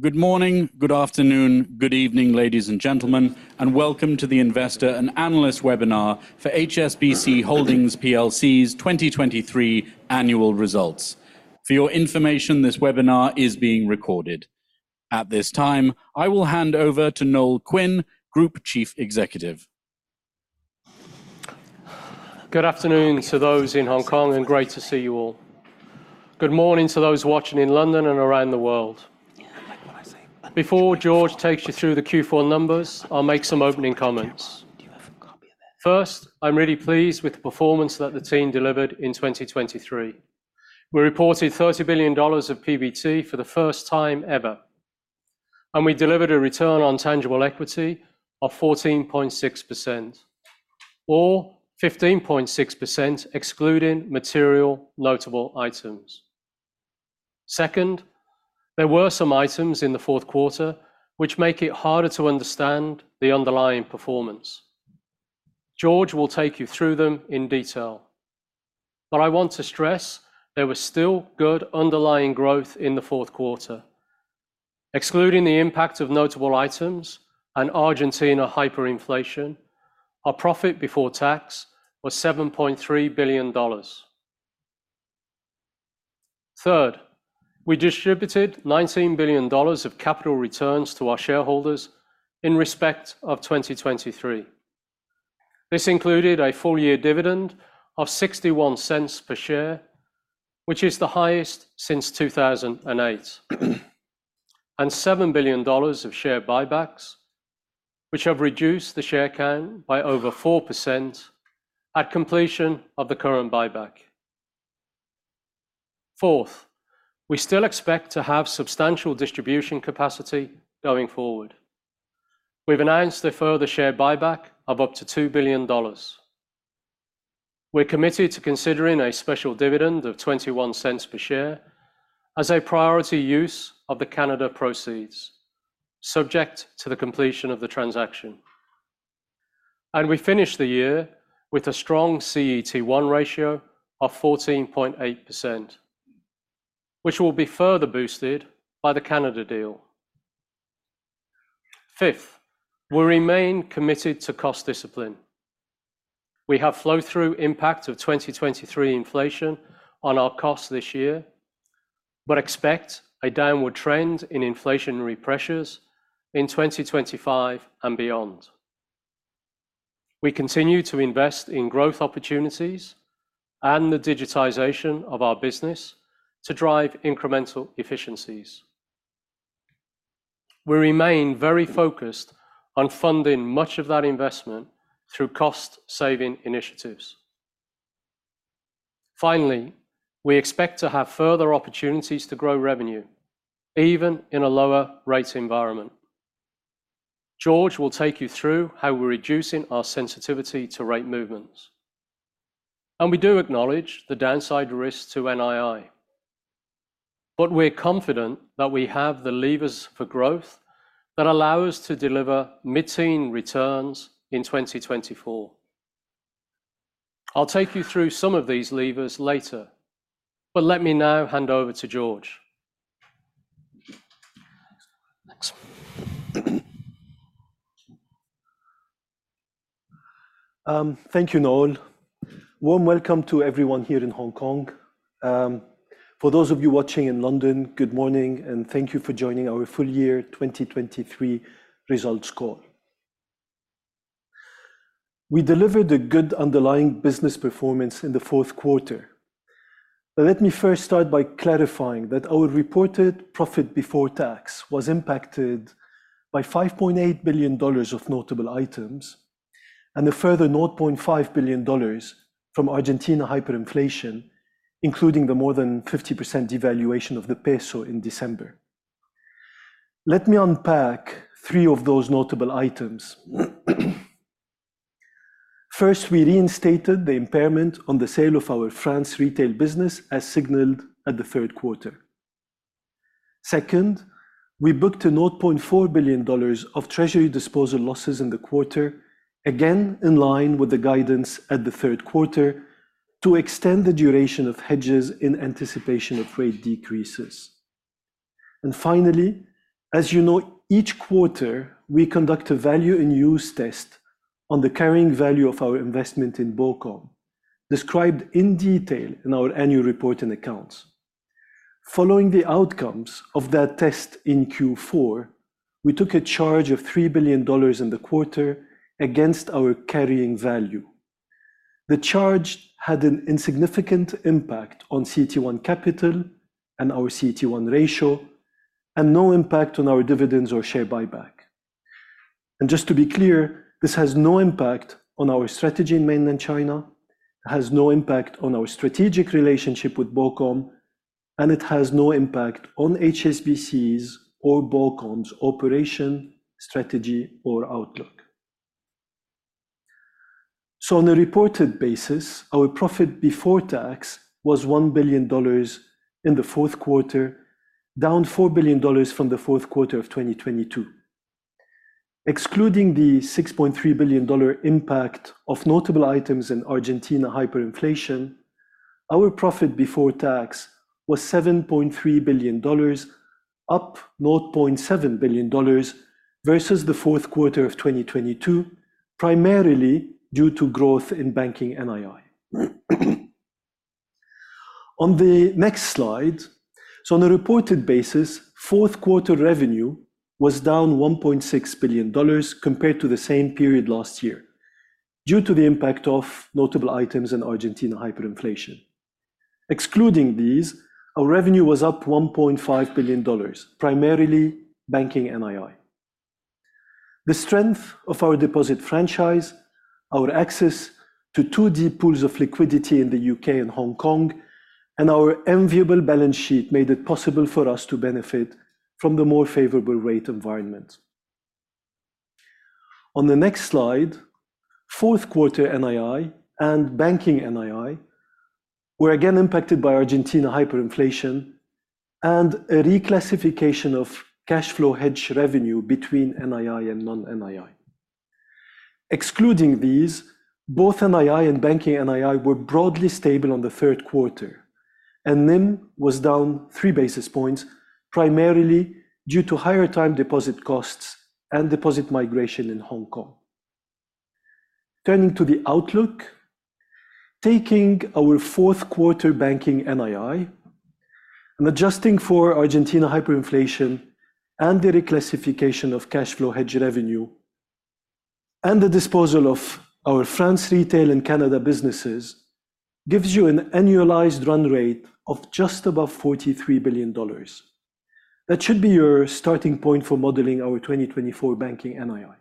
Good morning, good afternoon, good evening, ladies and gentlemen, and welcome to the investor and analyst webinar for HSBC Holdings plc's 2023 annual results. For your information, this webinar is being recorded. At this time, I will hand over to Noel Quinn, Group Chief Executive. Good afternoon to those in Hong Kong, and great to see you all. Good morning to those watching in London and around the world. Yeah, I like what I say. Before Georges takes you through the Q4 numbers, I'll make some opening comments. Do you have a copy of that? First, I'm really pleased with the performance that the team delivered in 2023. We reported $30 billion of PBT for the first time ever, and we delivered a return on tangible equity of 14.6%, or 15.6% excluding material notable items. Second, there were some items in the fourth quarter which make it harder to understand the underlying performance. George will take you through them in detail, but I want to stress there was still good underlying growth in the fourth quarter. Excluding the impact of notable items and Argentina hyperinflation, our profit before tax was $7.3 billion. Third, we distributed $19 billion of capital returns to our shareholders in respect of 2023. This included a full-year dividend of $0.61 per share, which is the highest since 2008, and $7 billion of share buybacks, which have reduced the share count by over 4% at completion of the current buyback. Fourth, we still expect to have substantial distribution capacity going forward. We've announced a further share buyback of up to $2 billion. We're committed to considering a special dividend of $0.21 per share as a priority use of the Canada proceeds subject to the completion of the transaction. We finish the year with a strong CET1 ratio of 14.8%, which will be further boosted by the Canada deal. Fifth, we remain committed to cost discipline. We have flow-through impact of 2023 inflation on our costs this year, but expect a downward trend in inflationary pressures in 2025 and beyond. We continue to invest in growth opportunities and the digitization of our business to drive incremental efficiencies. We remain very focused on funding much of that investment through cost-saving initiatives. Finally, we expect to have further opportunities to grow revenue, even in a lower-rate environment. George will take you through how we're reducing our sensitivity to rate movements. We do acknowledge the downside risks to NII, but we're confident that we have the levers for growth that allow us to deliver mid-teens returns in 2024. I'll take you through some of these levers later, but let me now hand over to George. Thanks. Thank you, Noel. Warm welcome to everyone here in Hong Kong. For those of you watching in London, good morning, and thank you for joining our full-year 2023 results call. We delivered a good underlying business performance in the fourth quarter. But let me first start by clarifying that our reported profit before tax was impacted by $5.8 billion of notable items and a further $0.5 billion from Argentina hyperinflation, including the more than 50% devaluation of the peso in December. Let me unpack three of those notable items. First, we reinstated the impairment on the sale of our France retail business as signalled at the third quarter. Second, we booked a $0.4 billion of treasury disposal losses in the quarter, again in line with the guidance at the third quarter to extend the duration of hedges in anticipation of rate decreases. Finally, as you know, each quarter we conduct a value-in-use test on the carrying value of our investment in BoCom, described in detail in our annual report and accounts. Following the outcomes of that test in Q4, we took a charge of $3 billion in the quarter against our carrying value. The charge had an insignificant impact on CET1 capital and our CET1 ratio, and no impact on our dividends or share buyback. And just to be clear, this has no impact on our strategy in mainland China, has no impact on our strategic relationship with BoCom, and it has no impact on HSBC's or BoCom's operation, strategy, or outlook. So on a reported basis, our profit before tax was $1 billion in the fourth quarter, down $4 billion from the fourth quarter of 2022. Excluding the $6.3 billion impact of notable items and Argentina hyperinflation, our profit before tax was $7.3 billion, up $0.7 billion versus the fourth quarter of 2022, primarily due to growth in banking NII. On the next slide, so on a reported basis, fourth quarter revenue was down $1.6 billion compared to the same period last year due to the impact of notable items and Argentina hyperinflation. Excluding these, our revenue was up $1.5 billion, primarily banking NII. The strength of our deposit franchise, our access to two deep pools of liquidity in the UK and Hong Kong, and our enviable balance sheet made it possible for us to benefit from the more favorable rate environment. On the next slide, fourth quarter NII and banking NII were again impacted by Argentina hyperinflation and a reclassification of cash flow hedge revenue between NII and non-NII. Excluding these, both NII and banking NII were broadly stable on the third quarter, and NIM was down 3 basis points, primarily due to higher time deposit costs and deposit migration in Hong Kong. Turning to the outlook, taking our fourth quarter banking NII and adjusting for Argentina hyperinflation and the reclassification of cash flow hedge revenue and the disposal of our France retail and Canada businesses gives you an annualized run rate of just above $43 billion. That should be your starting point for modeling our 2024 banking NII.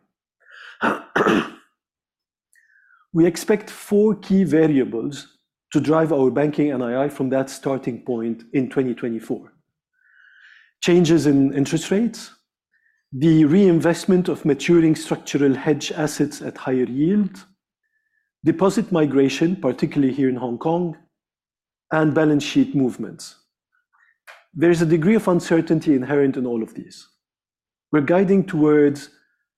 We expect 4 key variables to drive our banking NII from that starting point in 2024: changes in interest rates, the reinvestment of maturing structural hedge assets at higher yield, deposit migration, particularly here in Hong Kong, and balance sheet movements. There is a degree of uncertainty inherent in all of these. We're guiding towards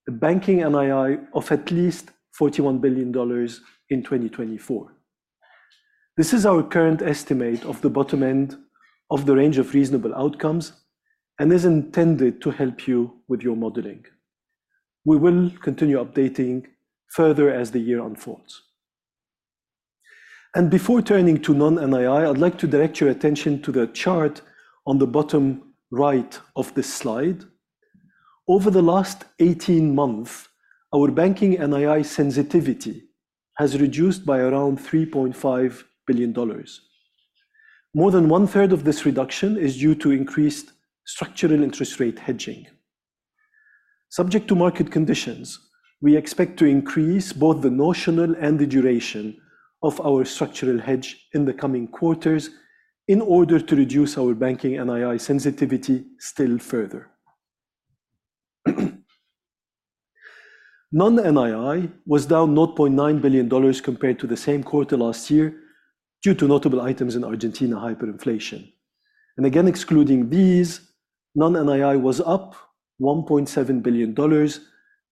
a banking NII of at least $41 billion in 2024. This is our current estimate of the bottom end of the range of reasonable outcomes and is intended to help you with your modelling. We will continue updating further as the year unfolds. And before turning to non-NII, I'd like to direct your attention to the chart on the bottom right of this slide. Over the last 18 months, our banking NII sensitivity has reduced by around $3.5 billion. More than one-third of this reduction is due to increased structural interest rate hedging. Subject to market conditions, we expect to increase both the notional and the duration of our structural hedge in the coming quarters in order to reduce our banking NII sensitivity still further. Non-NII was down $0.9 billion compared to the same quarter last year due to notable items and Argentina hyperinflation. Again, excluding these, non-NII was up $1.7 billion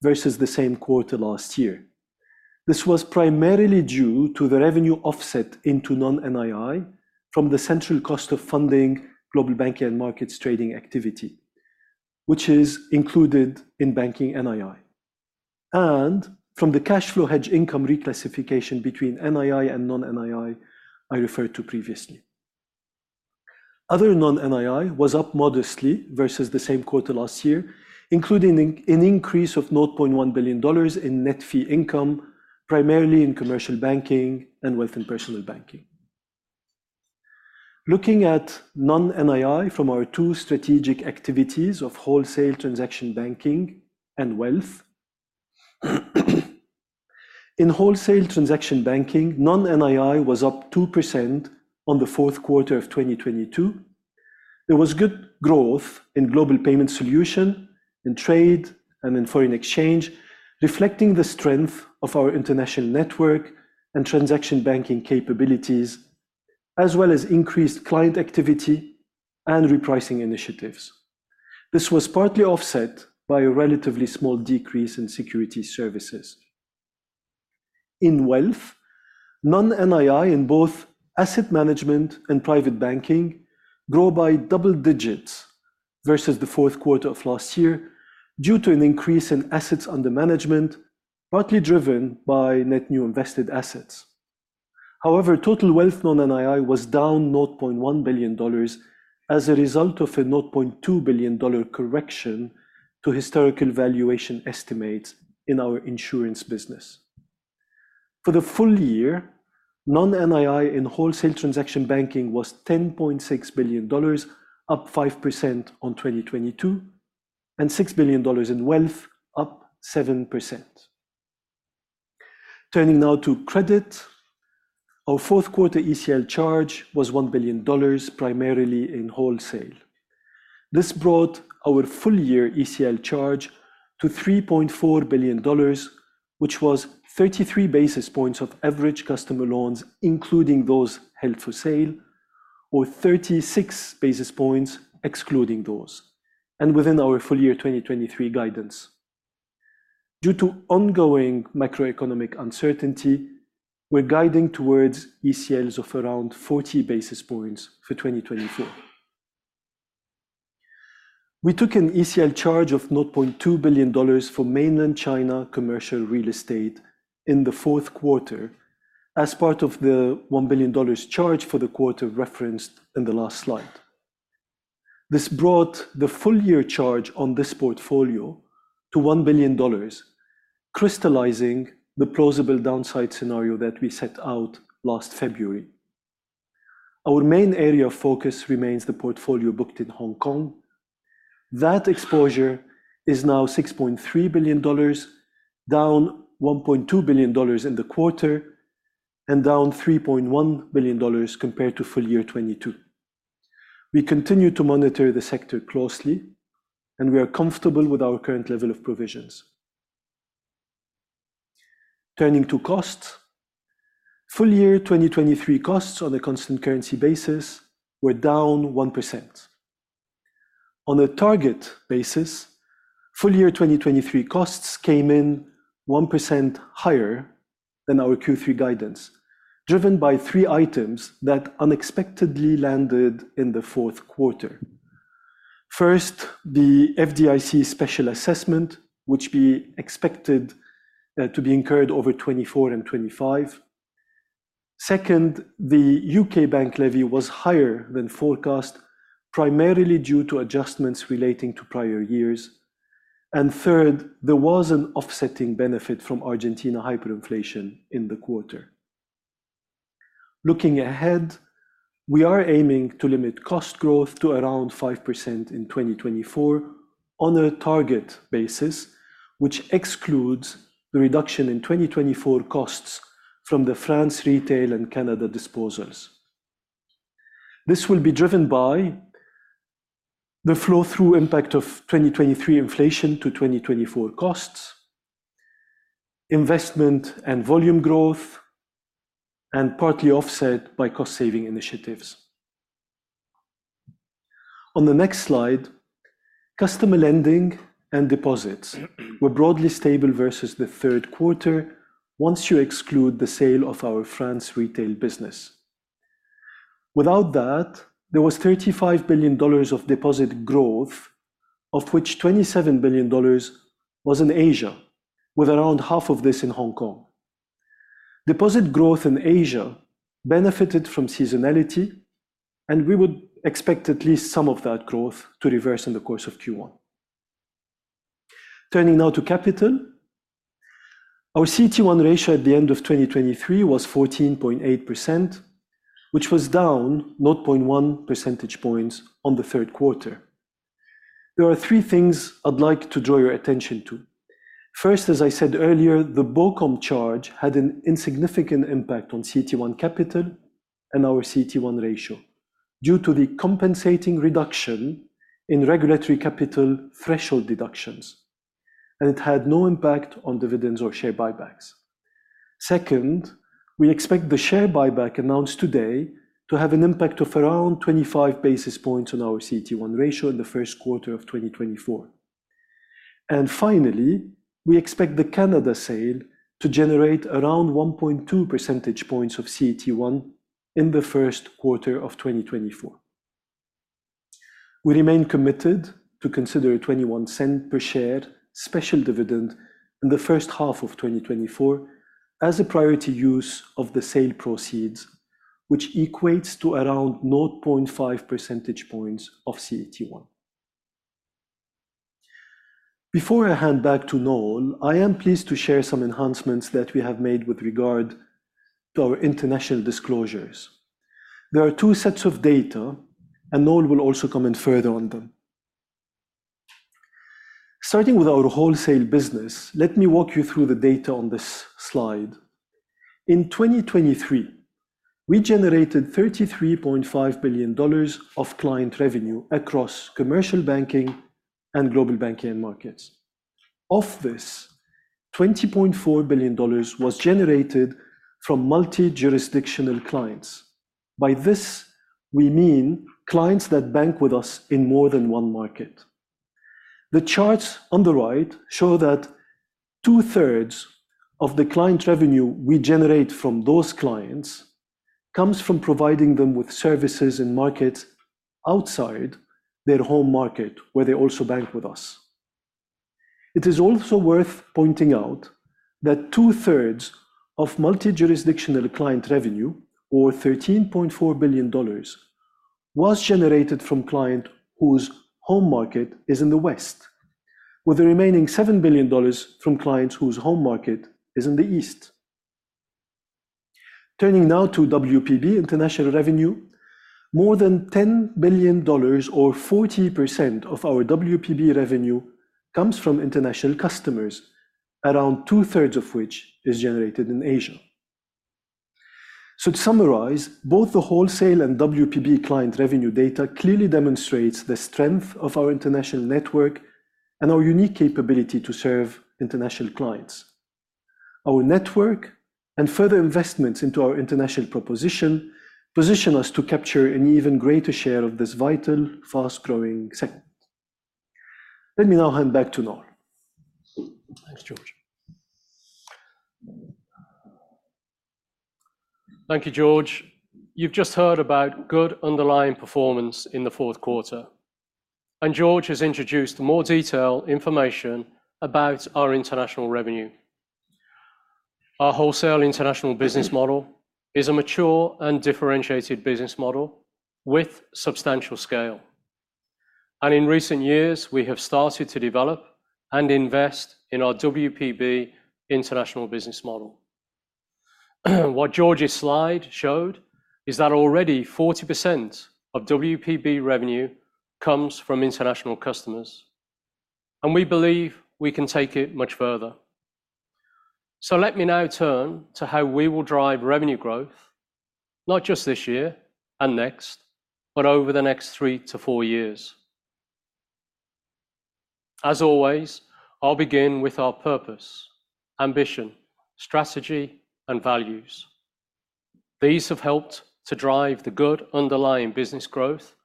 versus the same quarter last year. This was primarily due to the revenue offset into non-NII from the central cost of funding Global Banking and Markets trading activity, which is included in banking NII. And from the cash flow hedge income reclassification between NII and non-NII I referred to previously. Other non-NII was up modestly versus the same quarter last year, including an increase of $0.1 billion in net fee income, primarily in Commercial Banking and Wealth and Personal Banking. Looking at non-NII from our two strategic activities of wholesale transaction banking and wealth, in wholesale transaction banking, non-NII was up 2% on the fourth quarter of 2022. There was good growth in Global Payments Solutions in trade and in foreign exchange, reflecting the strength of our international network and transaction banking capabilities, as well as increased client activity and repricing initiatives. This was partly offset by a relatively small decrease in Securities Services. In wealth, non-NII in both Asset Management and Private Banking grow by double digits versus the fourth quarter of last year due to an increase in assets under management, partly driven by net new invested assets. However, total wealth non-NII was down $0.1 billion as a result of a $0.2 billion correction to historical valuation estimates in our insurance business. For the full year, non-NII in wholesale transaction banking was $10.6 billion, up 5% on 2022, and $6 billion in wealth, up 7%. Turning now to credit, our fourth quarter ECL charge was $1 billion, primarily in wholesale. This brought our full-year ECL charge to $3.4 billion, which was 33 basis points of average customer loans, including those held for sale, or 36 basis points excluding those, and within our full-year 2023 guidance. Due to ongoing macroeconomic uncertainty, we're guiding towards ECLs of around 40 basis points for 2024. We took an ECL charge of $0.2 billion for mainland China commercial real estate in the fourth quarter as part of the $1 billion charge for the quarter referenced in the last slide. This brought the full-year charge on this portfolio to $1 billion, crystallising the plausible downside scenario that we set out last February. Our main area of focus remains the portfolio booked in Hong Kong. That exposure is now $6.3 billion, down $1.2 billion in the quarter, and down $3.1 billion compared to full-year 2022. We continue to monitor the sector closely, and we are comfortable with our current level of provisions. Turning to costs, full-year 2023 costs on a constant currency basis were down 1%. On a target basis, full-year 2023 costs came in 1% higher than our Q3 guidance, driven by three items that unexpectedly landed in the fourth quarter. First, the FDIC special assessment, which we expected to be incurred over 2024 and 2025. Second, the U.K. bank levy was higher than forecast, primarily due to adjustments relating to prior years. And third, there was an offsetting benefit from Argentina hyperinflation in the quarter. Looking ahead, we are aiming to limit cost growth to around 5% in 2024 on a target basis, which excludes the reduction in 2024 costs from the France retail and Canada disposals. This will be driven by the flow-through impact of 2023 inflation to 2024 costs, investment and volume growth, and partly offset by cost-saving initiatives. On the next slide, customer lending and deposits were broadly stable versus the third quarter once you exclude the sale of our France retail business. Without that, there was $35 billion of deposit growth, of which $27 billion was in Asia, with around half of this in Hong Kong. Deposit growth in Asia benefited from seasonality, and we would expect at least some of that growth to reverse in the course of Q1. Turning now to capital, our CET1 ratio at the end of 2023 was 14.8%, which was down 0.1 percentage points on the third quarter. There are three things I'd like to draw your attention to. First, as I said earlier, the BoCom charge had an insignificant impact on CET1 capital and our CET1 ratio due to the compensating reduction in regulatory capital threshold deductions, and it had no impact on dividends or share buybacks. Second, we expect the share buyback announced today to have an impact of around 25 basis points on our CET1 ratio in the first quarter of 2024. And finally, we expect the Canada sale to generate around 1.2 percentage points of CET1 in the first quarter of 2024. We remain committed to consider a $0.21 per share special dividend in the first half of 2024 as a priority use of the sale proceeds, which equates to around 0.5 percentage points of CET1. Before I hand back to Noel, I am pleased to share some enhancements that we have made with regard to our international disclosures. There are two sets of data, and Noel will also comment further on them. Starting with our wholesale business, let me walk you through the data on this slide. In 2023, we generated $33.5 billion of client revenue across Commercial Banking and Global Banking and Markets. Of this, $20.4 billion was generated from multi-jurisdictional clients. By this, we mean clients that bank with us in more than one market. The charts on the right show that two-thirds of the client revenue we generate from those clients comes from providing them with services in markets outside their home market, where they also bank with us. It is also worth pointing out that two-thirds of multi-jurisdictional client revenue, or $13.4 billion, was generated from clients whose home market is in the West, with the remaining $7 billion from clients whose home market is in the East. Turning now to WPB international revenue, more than $10 billion, or 40% of our WPB revenue, comes from international customers, around two-thirds of which is generated in Asia. So, to summarise, both the wholesale and WPB client revenue data clearly demonstrate the strength of our international network and our unique capability to serve international clients. Our network and further investments into our international proposition position us to capture an even greater share of this vital, fast-growing segment. Let me now hand back to Noel. Thanks, George. Thank you, George. You've just heard about good underlying performance in the fourth quarter, and George has introduced more detailed information about our international revenue. Our wholesale international business model is a mature and differentiated business model with substantial scale, and in recent years, we have started to develop and invest in our WPB international business model. What George's slide showed is that already 40% of WPB revenue comes from international customers, and we believe we can take it much further. So, let me now turn to how we will drive revenue growth, not just this year and next, but over the next 3-4 years. As always, I'll begin with our purpose, ambition, strategy, and values. These have helped to drive the good underlying business growth,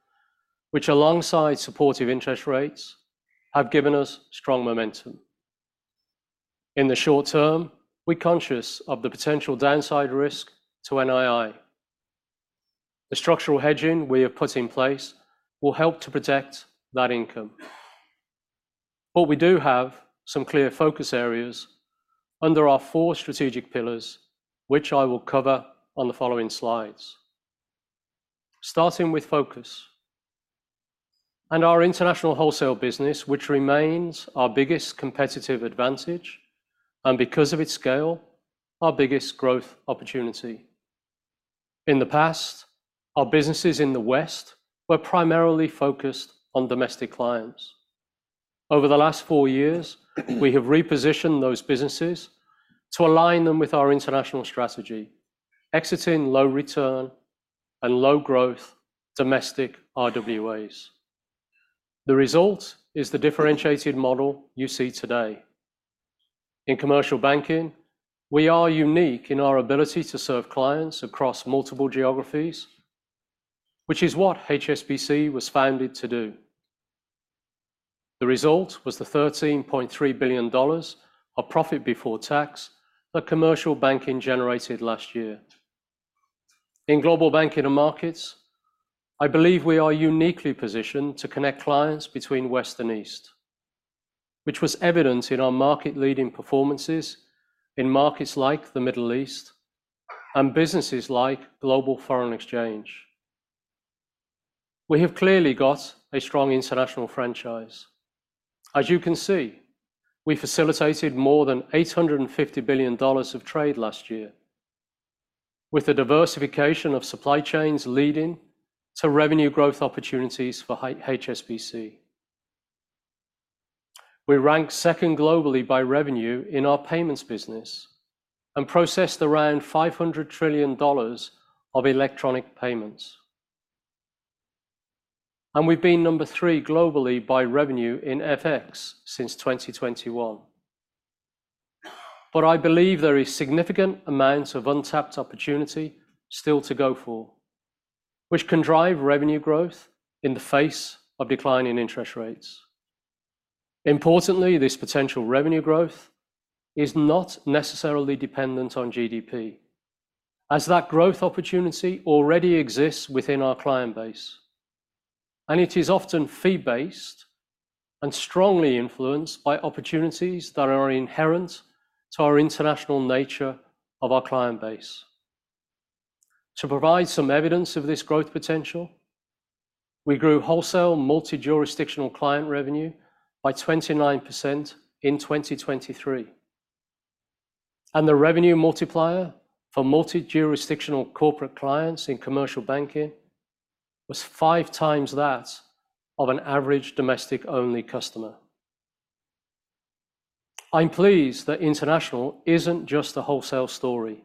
which, alongside supportive interest rates, have given us strong momentum. In the short term, we're conscious of the potential downside risk to NII. The structural hedging we have put in place will help to protect that income. But we do have some clear focus areas under our four strategic pillars, which I will cover on the following slides. Starting with focus, and our international wholesale business, which remains our biggest competitive advantage and, because of its scale, our biggest growth opportunity. In the past, our businesses in the West were primarily focused on domestic clients. Over the last four years, we have repositioned those businesses to align them with our international strategy, exiting low-return and low-growth domestic RWAs. The result is the differentiated model you see today. In Commercial Banking, we are unique in our ability to serve clients across multiple geographies, which is what HSBC was founded to do. The result was the $13.3 billion of profit before tax that Commercial Banking generated last year. In global banking and markets, I believe we are uniquely positioned to connect clients between West and East, which was evident in our market-leading performances in markets like the Middle East and businesses like Global Foreign Exchange. We have clearly got a strong international franchise. As you can see, we facilitated more than $850 billion of trade last year, with the diversification of supply chains leading to revenue growth opportunities for HSBC. We rank second globally by revenue in our payments business and processed around $500 trillion of electronic payments. We've been number 3 globally by revenue in FX since 2021. But I believe there are significant amounts of untapped opportunity still to go for, which can drive revenue growth in the face of declining interest rates. Importantly, this potential revenue growth is not necessarily dependent on GDP, as that growth opportunity already exists within our client base, and it is often fee-based and strongly influenced by opportunities that are inherent to our international nature of our client base. To provide some evidence of this growth potential, we grew wholesale multi-jurisdictional client revenue by 29% in 2023, and the revenue multiplier for multi-jurisdictional corporate clients in Commercial Banking was five times that of an average domestic-only customer. I'm pleased that international isn't just a wholesale story.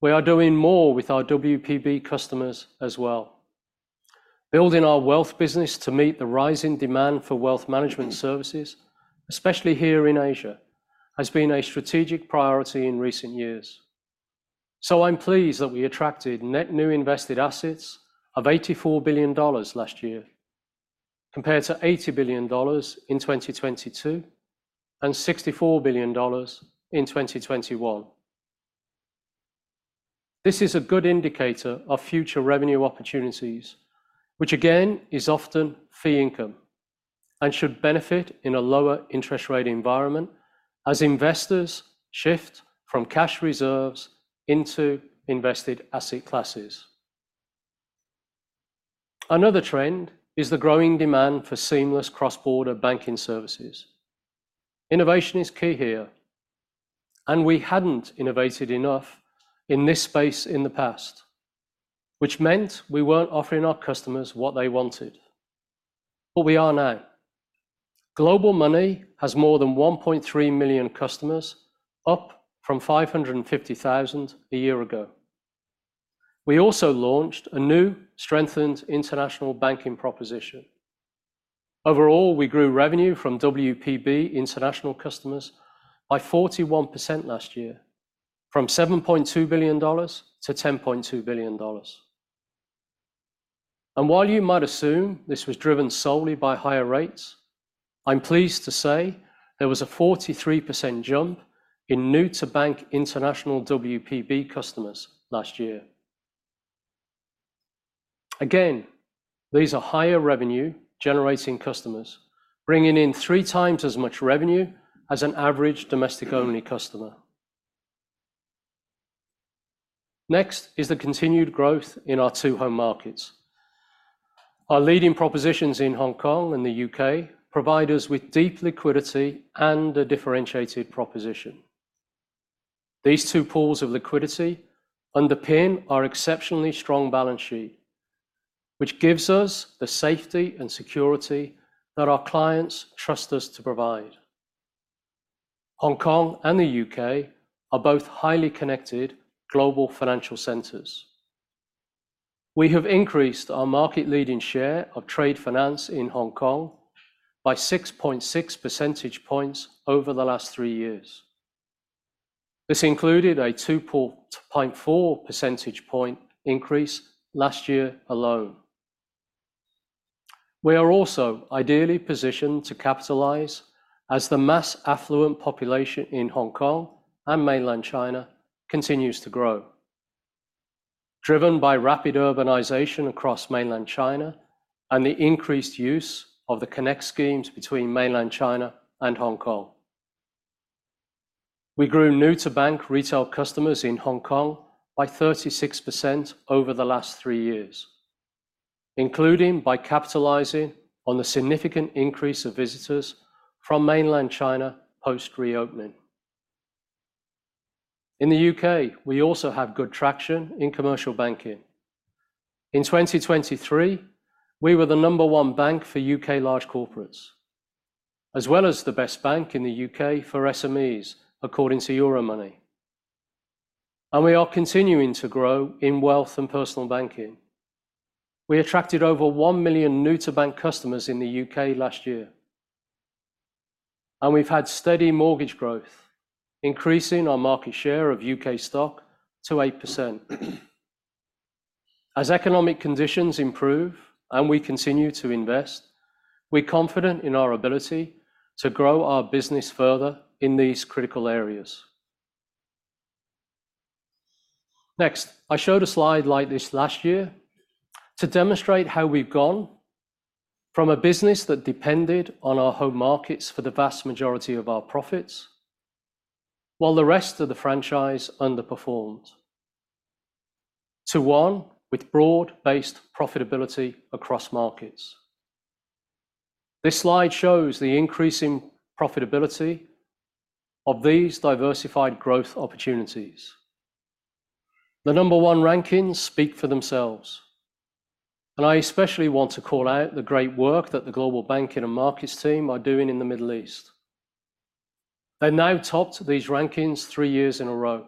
We are doing more with our WPB customers as well. Building our wealth business to meet the rising demand for wealth management services, especially here in Asia, has been a strategic priority in recent years. So, I'm pleased that we attracted net new invested assets of $84 billion last year, compared to $80 billion in 2022 and $64 billion in 2021. This is a good indicator of future revenue opportunities, which again is often fee income and should benefit in a lower interest rate environment as investors shift from cash reserves into invested asset classes. Another trend is the growing demand for seamless cross-border banking services. Innovation is key here, and we hadn't innovated enough in this space in the past, which meant we weren't offering our customers what they wanted. But we are now. Global Money has more than 1.3 million customers, up from 550,000 a year ago. We also launched a new strengthened international banking proposition. Overall, we grew revenue from WPB international customers by 41% last year, from $7.2 billion-$10.2 billion. And while you might assume this was driven solely by higher rates, I'm pleased to say there was a 43% jump in new-to-bank international WPB customers last year. Again, these are higher revenue-generating customers, bringing in three times as much revenue as an average domestic-only customer. Next is the continued growth in our two home markets. Our leading propositions in Hong Kong and the UK provide us with deep liquidity and a differentiated proposition. These two pools of liquidity underpin our exceptionally strong balance sheet, which gives us the safety and security that our clients trust us to provide. Hong Kong and the UK are both highly connected global financial centers. We have increased our market-leading share of trade finance in Hong Kong by 6.6 percentage points over the last 3 years. This included a 2.4 percentage point increase last year alone. We are also ideally positioned to capitalize as the mass affluent population in Hong Kong and mainland China continues to grow, driven by rapid urbanisation across mainland China and the increased use of the Connect Schemes between mainland China and Hong Kong. We grew new-to-bank retail customers in Hong Kong by 36% over the last three years, including by capitalizing on the significant increase of visitors from Mainland China post-reopening. In the U.K., we also have good traction in Commercial Banking. In 2023, we were the number one bank for U.K. large corporates, as well as the best bank in the U.K. for SMEs, according to Euromoney. We are continuing to grow in Wealth and Personal Banking. We attracted over 1 million new-to-bank customers in the U.K. last year. We've had steady mortgage growth, increasing our market share of U.K. stock to 8%. As economic conditions improve and we continue to invest, we're confident in our ability to grow our business further in these critical areas. Next, I showed a slide like this last year to demonstrate how we've gone from a business that depended on our home markets for the vast majority of our profits, while the rest of the franchise underperformed, to one with broad-based profitability across markets. This slide shows the increasing profitability of these diversified growth opportunities. The number one rankings speak for themselves, and I especially want to call out the great work that the global banking and markets team are doing in the Middle East. They've now topped these rankings three years in a row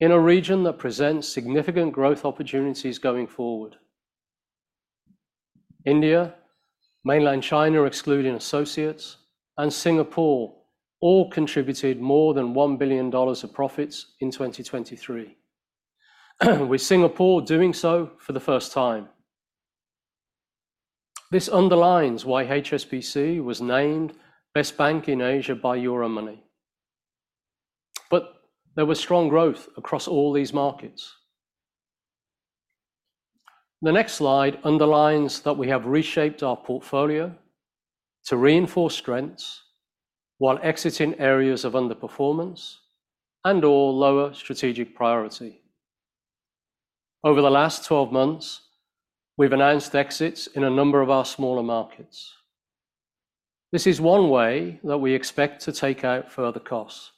in a region that presents significant growth opportunities going forward. India, Mainland China excluding associates, and Singapore all contributed more than $1 billion of profits in 2023, with Singapore doing so for the first time. This underlines why HSBC was named best bank in Asia by Euromoney. But there was strong growth across all these markets. The next slide underlines that we have reshaped our portfolio to reinforce strengths while exiting areas of underperformance and/or lower strategic priority. Over the last 12 months, we've announced exits in a number of our smaller markets. This is one way that we expect to take out further costs,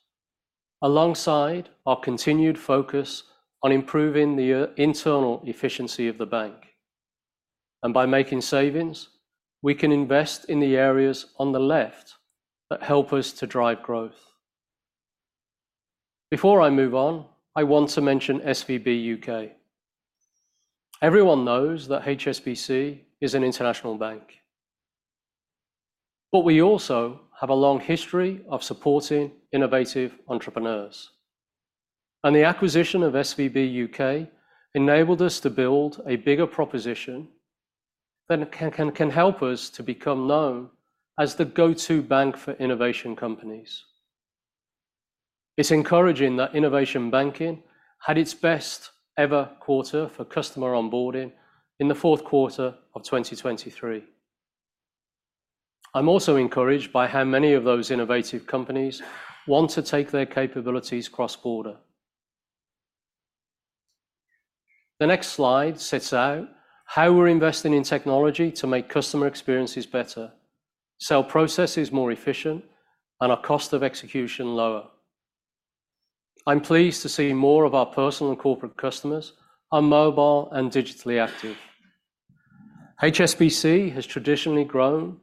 alongside our continued focus on improving the internal efficiency of the bank. And by making savings, we can invest in the areas on the left that help us to drive growth. Before I move on, I want to mention SVB UK. Everyone knows that HSBC is an international bank. But we also have a long history of supporting innovative entrepreneurs, and the acquisition of SVB UK enabled us to build a bigger proposition that can help us to become known as the go-to bank for innovation companies. It's encouraging that Innovation Banking had its best-ever quarter for customer onboarding in the fourth quarter of 2023. I'm also encouraged by how many of those innovative companies want to take their capabilities cross-border. The next slide sets out how we're investing in technology to make customer experiences better, sales processes more efficient, and our cost of execution lower. I'm pleased to see more of our personal and corporate customers are mobile and digitally active. HSBC has traditionally grown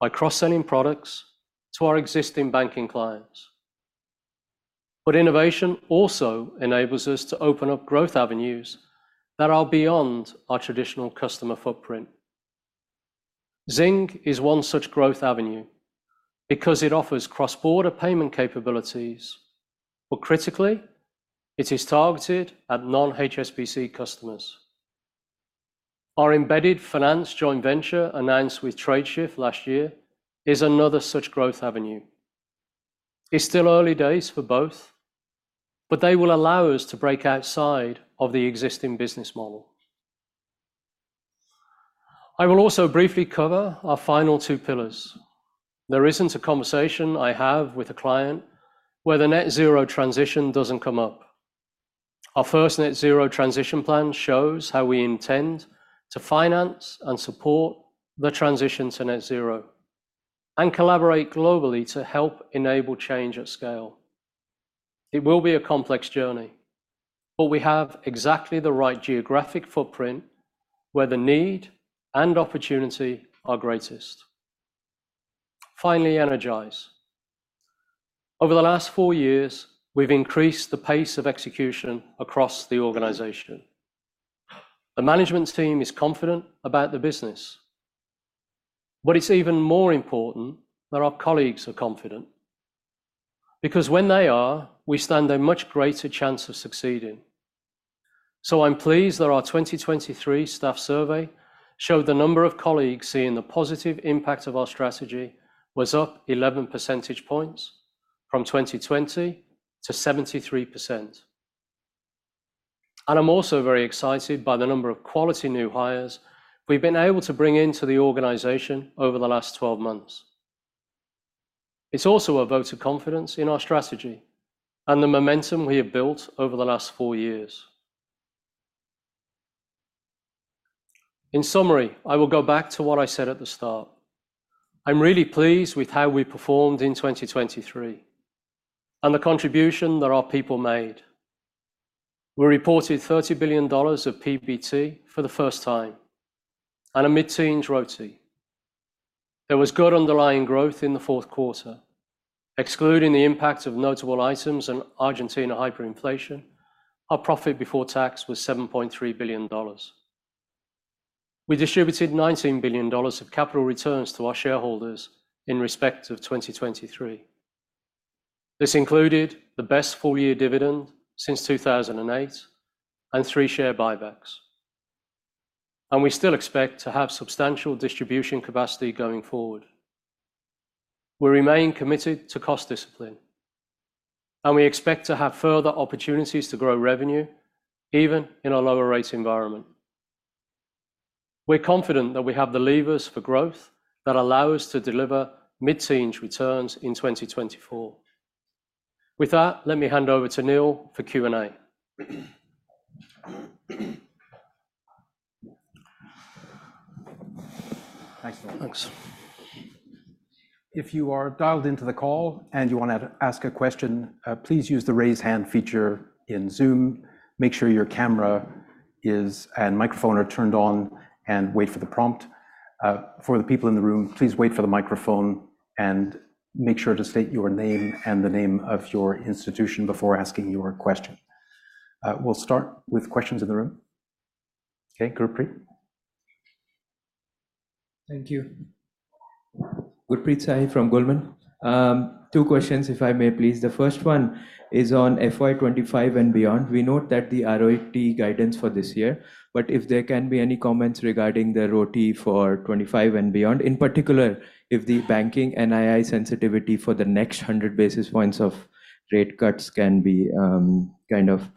by cross-selling products to our existing banking clients. But innovation also enables us to open up growth avenues that are beyond our traditional customer footprint. Zing is one such growth avenue because it offers cross-border payment capabilities. But critically, it is targeted at non-HSBC customers. Our embedded finance joint venture announced with Tradeshift last year is another such growth avenue. It's still early days for both, but they will allow us to break outside of the existing business model. I will also briefly cover our final two pillars. There isn't a conversation I have with a client where the net-zero transition doesn't come up. Our first net-zero transition plan shows how we intend to finance and support the transition to net-zero and collaborate globally to help enable change at scale. It will be a complex journey, but we have exactly the right geographic footprint where the need and opportunity are greatest. Finally, energise. Over the last four years, we've increased the pace of execution across the organization. The management team is confident about the business. It's even more important that our colleagues are confident because when they are, we stand a much greater chance of succeeding. I'm pleased that our 2023 staff survey showed the number of colleagues seeing the positive impact of our strategy was up 11 percentage points from 2020 to 73%. And I'm also very excited by the number of quality new hires we've been able to bring into the organization over the last 12 months. It's also a vote of confidence in our strategy and the momentum we have built over the last four years. In summary, I will go back to what I said at the start. I'm really pleased with how we performed in 2023 and the contribution that our people made. We reported $30 billion of PBT for the first time and a mid-teens RoTE. There was good underlying growth in the fourth quarter. Excluding the impact of notable items and Argentina hyperinflation, our profit before tax was $7.3 billion. We distributed $19 billion of capital returns to our shareholders in respect of 2023. This included the best full-year dividend since 2008 and three share buybacks. We still expect to have substantial distribution capacity going forward. We remain committed to cost discipline, and we expect to have further opportunities to grow revenue even in a lower-rate environment. We're confident that we have the levers for growth that allow us to deliver mid-teens returns in 2024. With that, let me hand over to Neil for Q&A. Thanks, Lauren. Thanks. If you are dialed into the call and you want to ask a question, please use the raise hand feature in Zoom. Make sure your camera and microphone are turned on and wait for the prompt. For the people in the room, please wait for the microphone and make sure to state your name and the name of your institution before asking your question. We'll start with questions in the room. Okay, Gurpreet. Thank you. Gurpreet Sahi from Goldman. Two questions, if I may please. The first one is on FY 2025 and beyond. We note that the RoTE guidance for this year, but if there can be any comments regarding the RoTE for '25 and beyond, in particular, if the banking NII sensitivity for the next 100 basis points of rate cuts can be kind of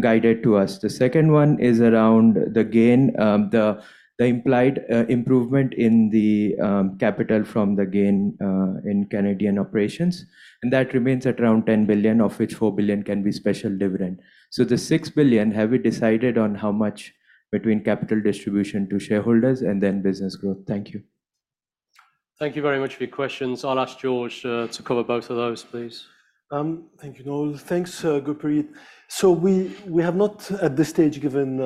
guided to us. The second one is around the implied improvement in the capital from the gain in Canadian operations. And that remains at around $10 billion, of which $4 billion can be special dividend. So, the $6 billion, have we decided on how much between capital distribution to shareholders and then business growth? Thank you. Thank you very much for your questions. I'll ask George to cover both of those, please. Thank you, Noel. Thanks, Gurpreet. So, we have not, at this stage, given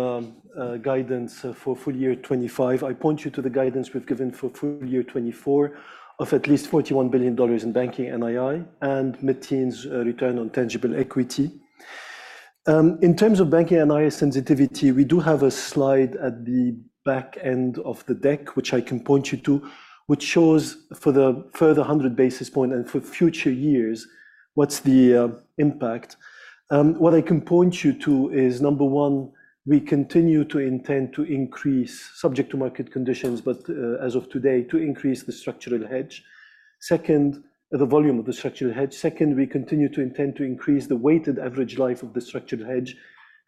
guidance for full year 2025. I point you to the guidance we've given for full year 2024 of at least $41 billion in banking NII and mid-teens return on tangible equity. In terms of banking NII sensitivity, we do have a slide at the back end of the deck, which I can point you to, which shows for the further 100 basis point and for future years what's the impact. What I can point you to is, number one, we continue to intend to increase, subject to market conditions, but as of today, to increase the structural hedge. Second, the volume of the structural hedge. Second, we continue to intend to increase the weighted average life of the structural hedge,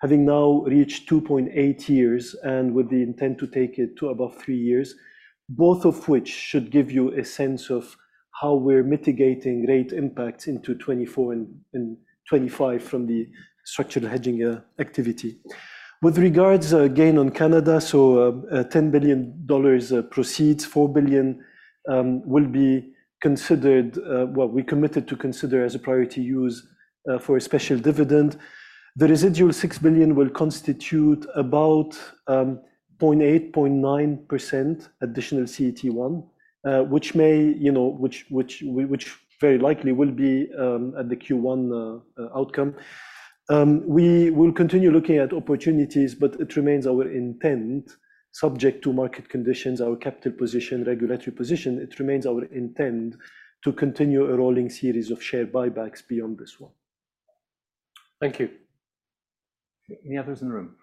having now reached 2.8 years and with the intent to take it to above three years, both of which should give you a sense of how we're mitigating rate impacts into 2024 and 2025 from the structural hedging activity. With regards to gain on Canada, so $10 billion proceeds, $4 billion will be considered what we committed to consider as a priority use for a special dividend. The residual $6 billion will constitute about 0.8%-0.9% additional CET1, which very likely will be at the Q1 outcome. We will continue looking at opportunities, but it remains our intent, subject to market conditions, our capital position, regulatory position, it remains our intent to continue a rolling series of share buybacks beyond this one. Thank you. Any others in the room?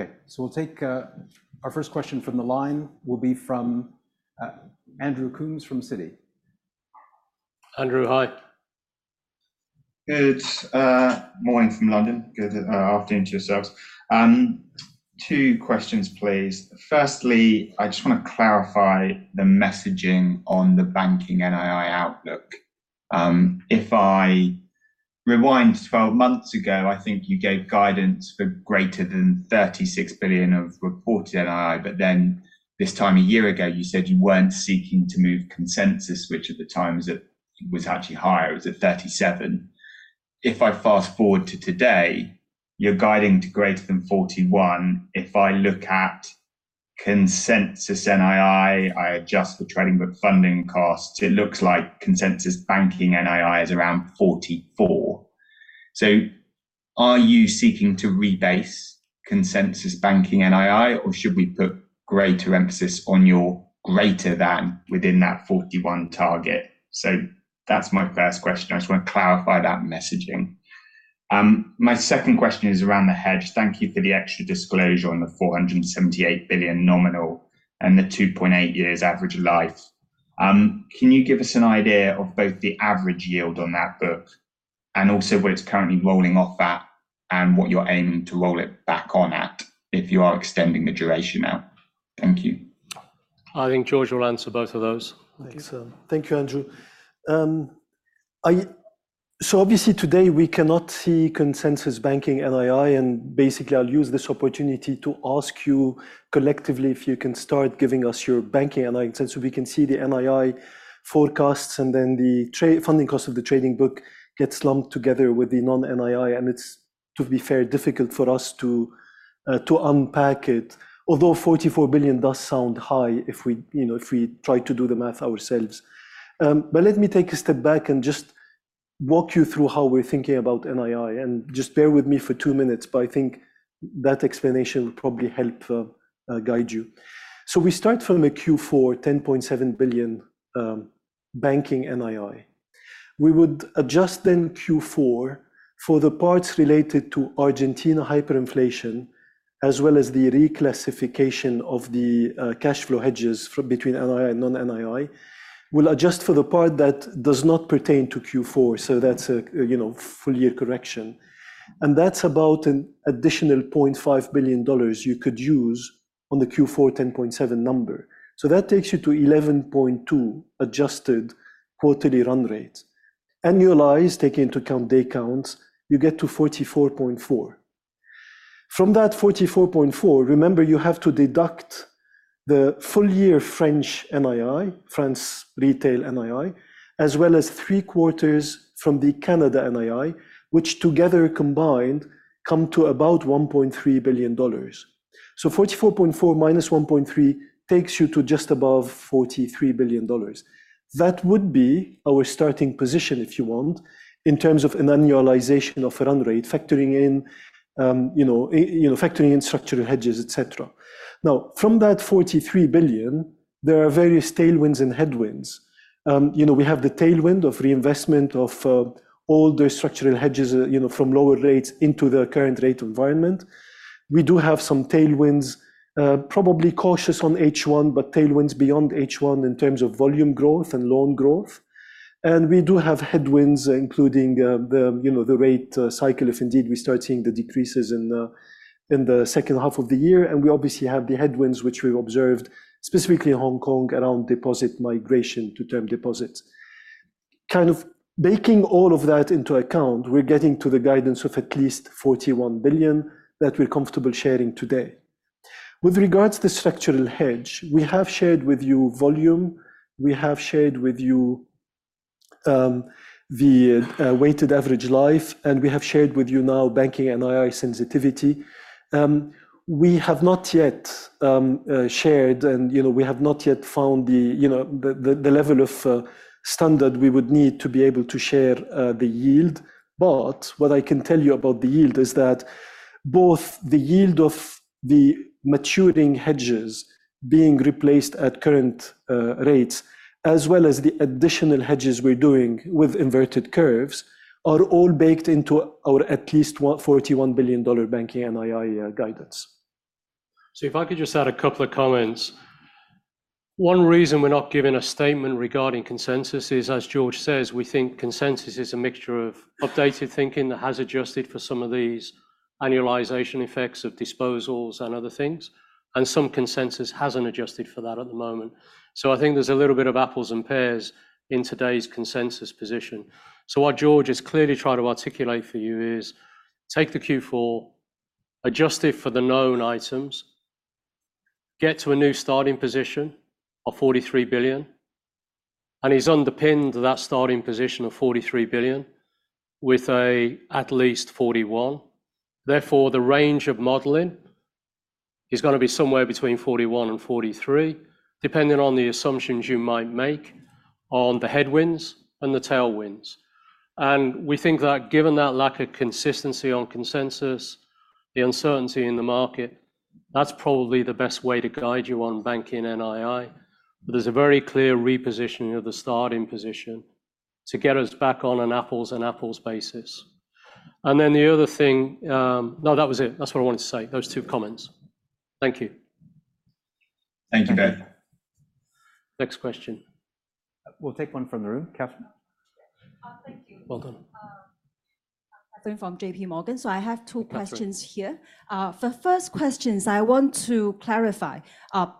Okay. We'll take our first question from the line. Will be from Andrew Coombs from Citi. Andrew, hi. Good morning from London. Good afternoon to yourselves. Two questions, please. Firstly, I just want to clarify the messaging on the banking NII outlook. If I rewind to 12 months ago, I think you gave guidance for greater than $36 billion of reported NII, but then this time a year ago, you said you weren't seeking to move consensus, which at the time was actually higher. It was at $37 billion. If I fast-forward to today, you're guiding to greater than $41 billion. If I look at consensus NII, I adjust the trading book funding costs. It looks like consensus banking NII is around $44 billion. So, are you seeking to rebase consensus banking NII, or should we put greater emphasis on your greater than within that $41 billion target? So, that's my first question. I just want to clarify that messaging. My second question is around the hedge. Thank you for the extra disclosure on the $478 billion nominal and the 2.8 years average life. Can you give us an idea of both the average yield on that book and also where it's currently rolling off at and what you're aiming to roll it back on at if you are extending the duration out? Thank you. I think George will answer both of those. Thanks. Thank you, Andrew. So, obviously, today, we cannot see consensus banking NII, and basically, I'll use this opportunity to ask you collectively if you can start giving us your banking NII estimates. We can see the NII forecasts, and then the funding cost of the trading book gets lumped together with the non-NII, and it's, to be fair, difficult for us to unpack it, although $44 billion does sound high if we try to do the math ourselves. But let me take a step back and just walk you through how we're thinking about NII. And just bear with me for two minutes, but I think that explanation will probably help guide you. So, we start from a Q4 $10.7 billion banking NII. We would adjust then Q4 for the parts related to Argentina hyperinflation as well as the reclassification of the cash flow hedges between NII and non-NII. We'll adjust for the part that does not pertain to Q4. So, that's a full-year correction. That's about an additional $0.5 billion you could use on the Q4 10.7 number. So, that takes you to 11.2 adjusted quarterly run rate. Annualized, taking into account day counts, you get to 44.4. From that 44.4, remember, you have to deduct the full-year French NII, France retail NII, as well as three quarters from the Canada NII, which together combined come to about $1.3 billion. So, 44.4 minus 1.3 takes you to just above $43 billion. That would be our starting position, if you want, in terms of an annualization of a run rate, factoring in structural hedges, etc. Now, from that 43 billion, there are various tailwinds and headwinds. We have the tailwind of reinvestment of older structural hedges from lower rates into the current rate environment. We do have some tailwinds, probably cautious on H1, but tailwinds beyond H1 in terms of volume growth and loan growth. We do have headwinds, including the rate cycle. If indeed we start seeing the decreases in the second half of the year, and we obviously have the headwinds, which we've observed specifically in Hong Kong around deposit migration to term deposits. Kind of baking all of that into account, we're getting to the guidance of at least $41 billion that we're comfortable sharing today. With regards to Structural Hedge, we have shared with you volume. We have shared with you the weighted average life, and we have shared with you now Banking NII sensitivity. We have not yet shared, and we have not yet found the level of standard we would need to be able to share the yield. What I can tell you about the yield is that both the yield of the maturing hedges being replaced at current rates, as well as the additional hedges we're doing with inverted curves, are all baked into our at least $41 billion banking NII guidance. If I could just add a couple of comments. One reason we're not giving a statement regarding consensus is, as George says, we think consensus is a mixture of updated thinking that has adjusted for some of these annualization effects of disposals and other things. Some consensus hasn't adjusted for that at the moment. I think there's a little bit of apples and pears in today's consensus position. What George has clearly tried to articulate for you is, take the Q4, adjust it for the known items, get to a new starting position of $43 billion, and he's underpinned that starting position of $43 billion with at least $41 billion. Therefore, the range of modeling is going to be somewhere between $41 billion and $43 billion, depending on the assumptions you might make on the headwinds and the tailwinds. We think that given that lack of consistency on consensus, the uncertainty in the market, that's probably the best way to guide you on banking NII. But there's a very clear repositioning of the starting position to get us back on an apples and apples basis. And then the other thing no, that was it. That's what I wanted to say. Those two comments. Thank you. Thank you, Ben. Next question. We'll take one from the room. Katherine? Thank you. Welcome. I'm Katherine from J.P. Morgan. So, I have two questions here. The first question is, I want to clarify.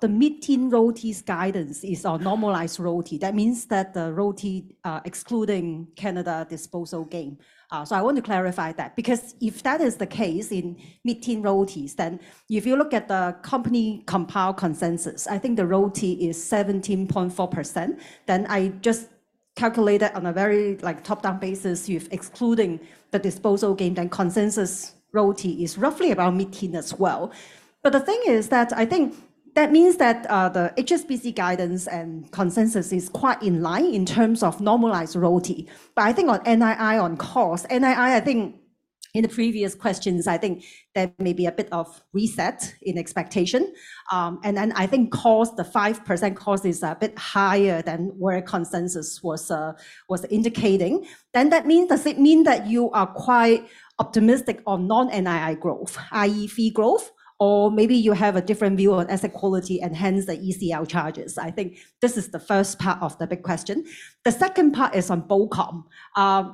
The mid-teen RoTEs guidance is our normalized RoTE. That means that the RoTE excluding Canada disposal gain. So, I want to clarify that. Because if that is the case in mid-teen RoTEs, then if you look at the company compound consensus, I think the RoTE is 17.4%. Then I just calculated on a very top-down basis, you've excluded the disposal gain, then consensus RoTE is roughly about mid-teen as well. But the thing is that I think that means that the HSBC guidance and consensus is quite in line in terms of normalized RoTE. But I think on NII on cost, NII, I think in the previous questions, I think there may be a bit of reset in expectation. I think cost, the 5% cost is a bit higher than where consensus was indicating. Does it mean that you are quite optimistic on non-NII growth, i.e., fee growth, or maybe you have a different view on asset quality and hence the ECL charges? I think this is the first part of the big question. The second part is on BoCom.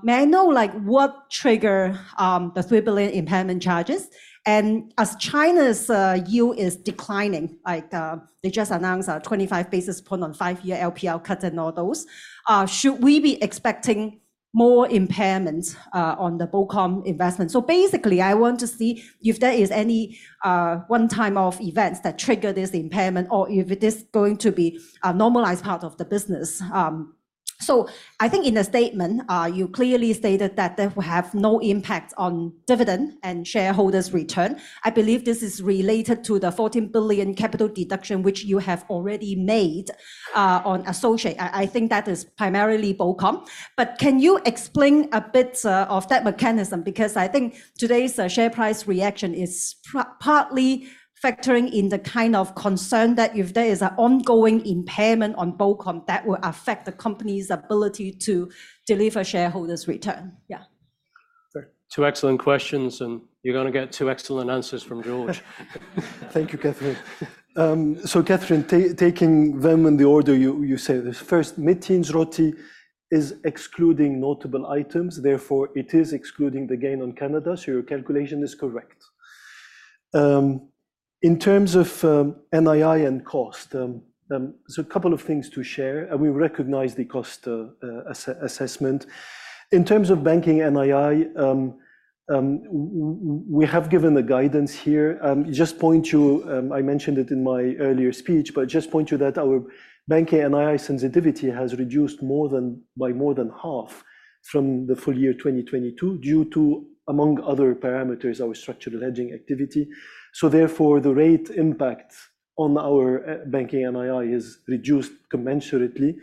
May I know what triggered the $3 billion impairment charges? And as China's yield is declining, they just announced a 25 basis points on 5-year LPR cut and all those, should we be expecting more impairment on the BoCom investment? So, basically, I want to see if there is any one-time-off events that trigger this impairment or if it is going to be a normalised part of the business. So, I think in the statement, you clearly stated that there will have no impact on dividend and shareholders' return. I believe this is related to the $14 billion capital deduction, which you have already made on associate. I think that is primarily BoCom. But can you explain a bit of that mechanism? Because I think today's share price reaction is partly factoring in the kind of concern that if there is an ongoing impairment on BoCom, that will affect the company's ability to deliver shareholders' return. Yeah. Two excellent questions, and you're going to get two excellent answers from George. Thank you, Katherine. So, Katherine, taking them in the order you say. First, mid-teens RoTE is excluding notable items. Therefore, it is excluding the gain on Canada. So, your calculation is correct. In terms of NII and cost, there's a couple of things to share. And we recognize the cost assessment. In terms of banking NII, we have given the guidance here. Just point to, I mentioned it in my earlier speech, but just point to that our banking NII sensitivity has reduced by more than half from the full year 2022 due to, among other parameters, our structural hedging activity. So, therefore, the rate impact on our banking NII is reduced commensurately.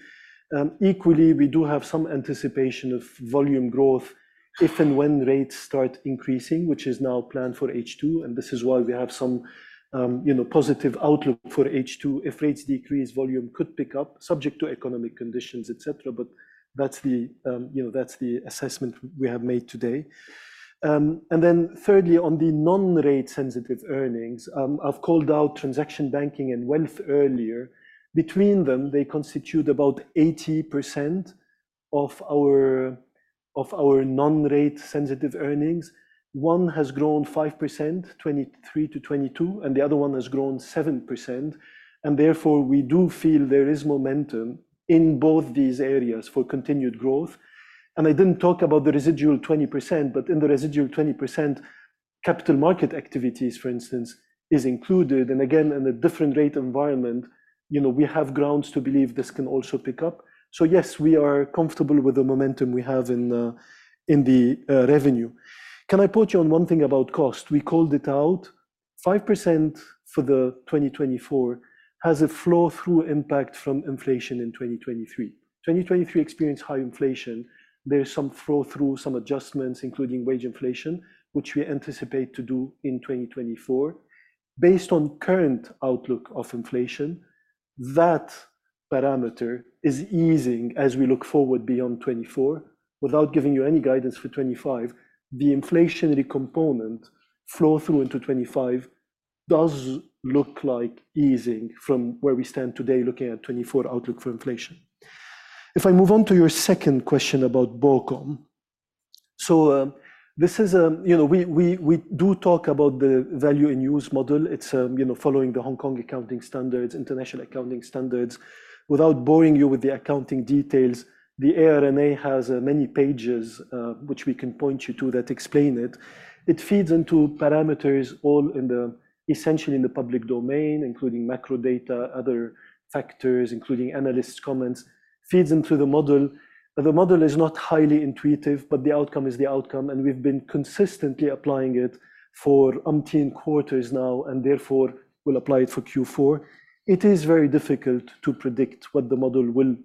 Equally, we do have some anticipation of volume growth if and when rates start increasing, which is now planned for H2. And this is why we have some positive outlook for H2. If rates decrease, volume could pick up, subject to economic conditions, etc. But that's the assessment we have made today. And then thirdly, on the non-rate-sensitive earnings, I've called out transaction banking and wealth earlier. Between them, they constitute about 80% of our non-rate-sensitive earnings. One has grown 5%, 2023 to 2022, and the other one has grown 7%. And therefore, we do feel there is momentum in both these areas for continued growth. And I didn't talk about the residual 20%, but in the residual 20%, capital market activities, for instance, are included. And again, in a different rate environment, we have grounds to believe this can also pick up. So, yes, we are comfortable with the momentum we have in the revenue. Can I point you on one thing about cost? We called it out. 5% for 2024 has a flow-through impact from inflation in 2023. 2023 experienced high inflation. There's some flow-through, some adjustments, including wage inflation, which we anticipate to do in 2024. Based on current outlook of inflation, that parameter is easing as we look forward beyond 2024. Without giving you any guidance for 2025, the inflationary component flow-through into 2025 does look like easing from where we stand today, looking at 2024 outlook for inflation. If I move on to your second question about BoCom, so this is, we do talk about the value-in-use model. It's following the Hong Kong accounting standards, international accounting standards. Without boring you with the accounting details, the ARNA has many pages, which we can point you to, that explain it. It feeds into parameters all essentially in the public domain, including macrodata, other factors, including analysts' comments, feeds into the model. The model is not highly intuitive, but the outcome is the outcome. And we've been consistently applying it for umpteen quarters now, and therefore, we'll apply it for Q4. It is very difficult to predict what the model will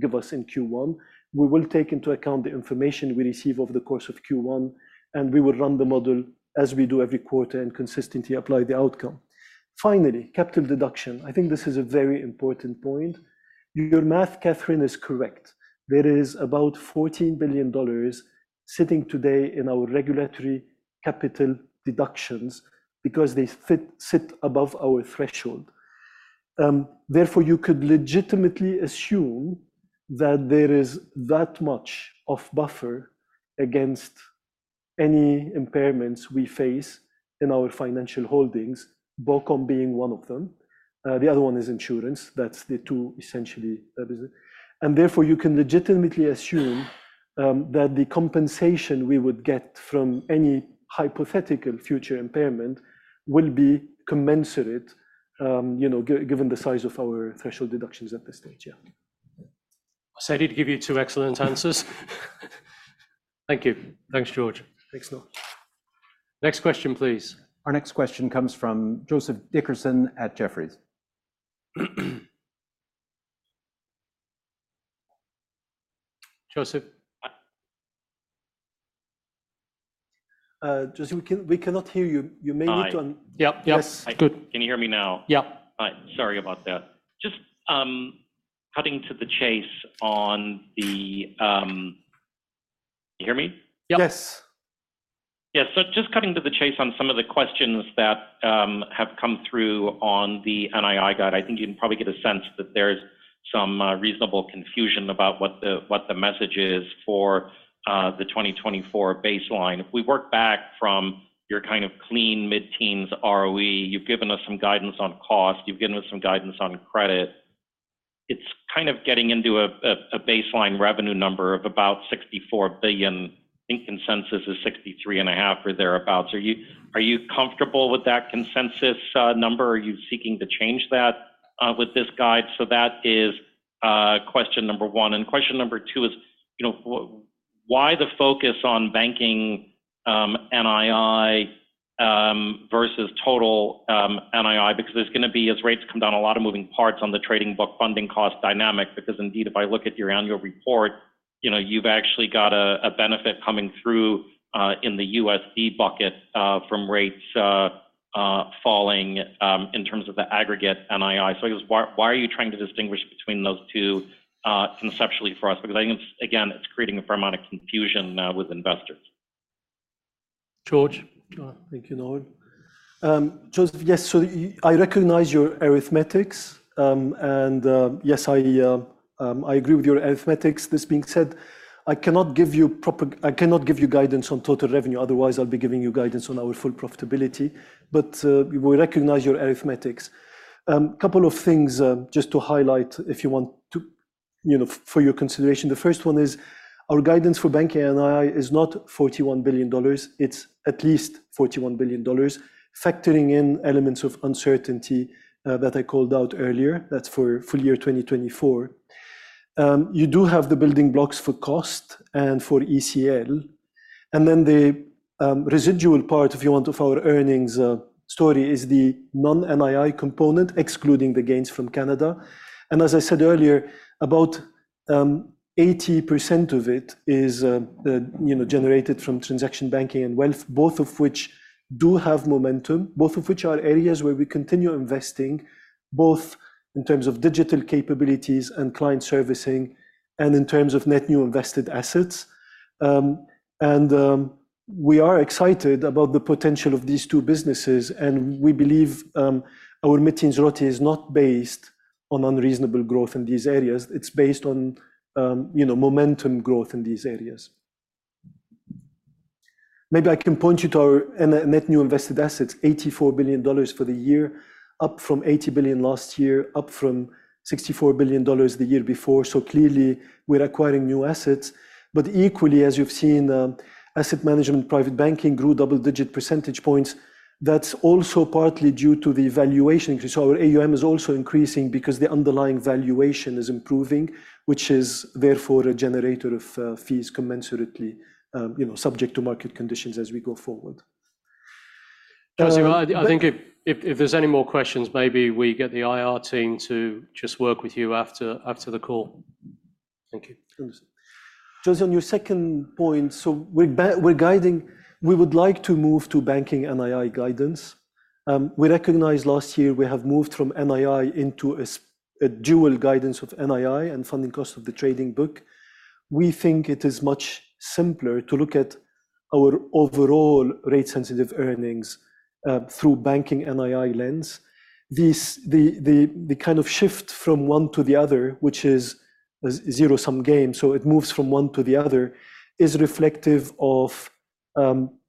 give us in Q1. We will take into account the information we receive over the course of Q1, and we will run the model as we do every quarter and consistently apply the outcome. Finally, capital deduction. I think this is a very important point. Your math, Kathryn, is correct. There is about $14 billion sitting today in our regulatory capital deductions because they sit above our threshold. Therefore, you could legitimately assume that there is that much of buffer against any impairments we face in our financial holdings, BOCOM being one of them. The other one is insurance. That's the two essentially business. Therefore, you can legitimately assume that the compensation we would get from any hypothetical future impairment will be commensurate, given the size of our threshold deductions at this stage. Yeah. I said he'd give you two excellent answers. Thank you. Thanks, Georges. Thanks, Noel. Next question, please. Our next question comes from Joseph Dickerson at Jefferies. Joseph? Joseph, we cannot hear you. You may need to unmute. Yep, yep. Good. Can you hear me now? Yep. All right. Sorry about that. Just cutting to the chase on the can you hear me? Yep. Yes. Yeah. So just cutting to the chase on some of the questions that have come through on the NII guide, I think you can probably get a sense that there's some reasonable confusion about what the message is for the 2024 baseline. If we work back from your kind of clean mid-teens ROE, you've given us some guidance on cost. You've given us some guidance on credit. It's kind of getting into a baseline revenue number of about $64 billion. I think consensus is $63.5 billion or thereabouts. Are you comfortable with that consensus number? Are you seeking to change that with this guide? So that is question number one. And question number two is, why the focus on banking NII versus total NII? Because there's going to be, as rates come down, a lot of moving parts on the trading book funding cost dynamic. Because indeed, if I look at your annual report, you've actually got a benefit coming through in the USD bucket from rates falling in terms of the aggregate NII. So I guess, why are you trying to distinguish between those two conceptually for us? Because I think, again, it's creating a fair amount of confusion with investors. George. Thank you, Noel. Joseph, yes. So I recognize your arithmetics. And yes, I agree with your arithmetics. This being said, I cannot give you proper I cannot give you guidance on total revenue. Otherwise, I'll be giving you guidance on our full profitability. But we recognize your arithmetics. A couple of things just to highlight if you want to for your consideration. The first one is, our guidance for banking NII is not $41 billion. It's at least $41 billion, factoring in elements of uncertainty that I called out earlier. That's for full year 2024. You do have the building blocks for cost and for ECL. And then the residual part, if you want, of our earnings story is the non-NII component, excluding the gains from Canada. As I said earlier, about 80% of it is generated from transaction banking and wealth, both of which do have momentum, both of which are areas where we continue investing, both in terms of digital capabilities and client servicing and in terms of net new invested assets. We are excited about the potential of these two businesses. We believe our mid-teens RoTE is not based on unreasonable growth in these areas. It's based on momentum growth in these areas. Maybe I can point you to our net new invested assets, $84 billion for the year, up from $80 billion last year, up from $64 billion the year before. So clearly, we're acquiring new assets. But equally, as you've seen, asset management, private banking grew double-digit percentage points. That's also partly due to the valuation increase. Our AUM is also increasing because the underlying valuation is improving, which is therefore a generator of fees commensurately, subject to market conditions as we go forward. Joseph, I think if there's any more questions, maybe we get the IR team to just work with you after the call. Thank you. Understood. Joseph, on your second point, so we're guiding we would like to move to banking NII guidance. We recognize last year, we have moved from NII into a dual guidance of NII and funding cost of the trading book. We think it is much simpler to look at our overall rate-sensitive earnings through banking NII lens. The kind of shift from one to the other, which is zero-sum game, so it moves from one to the other, is reflective of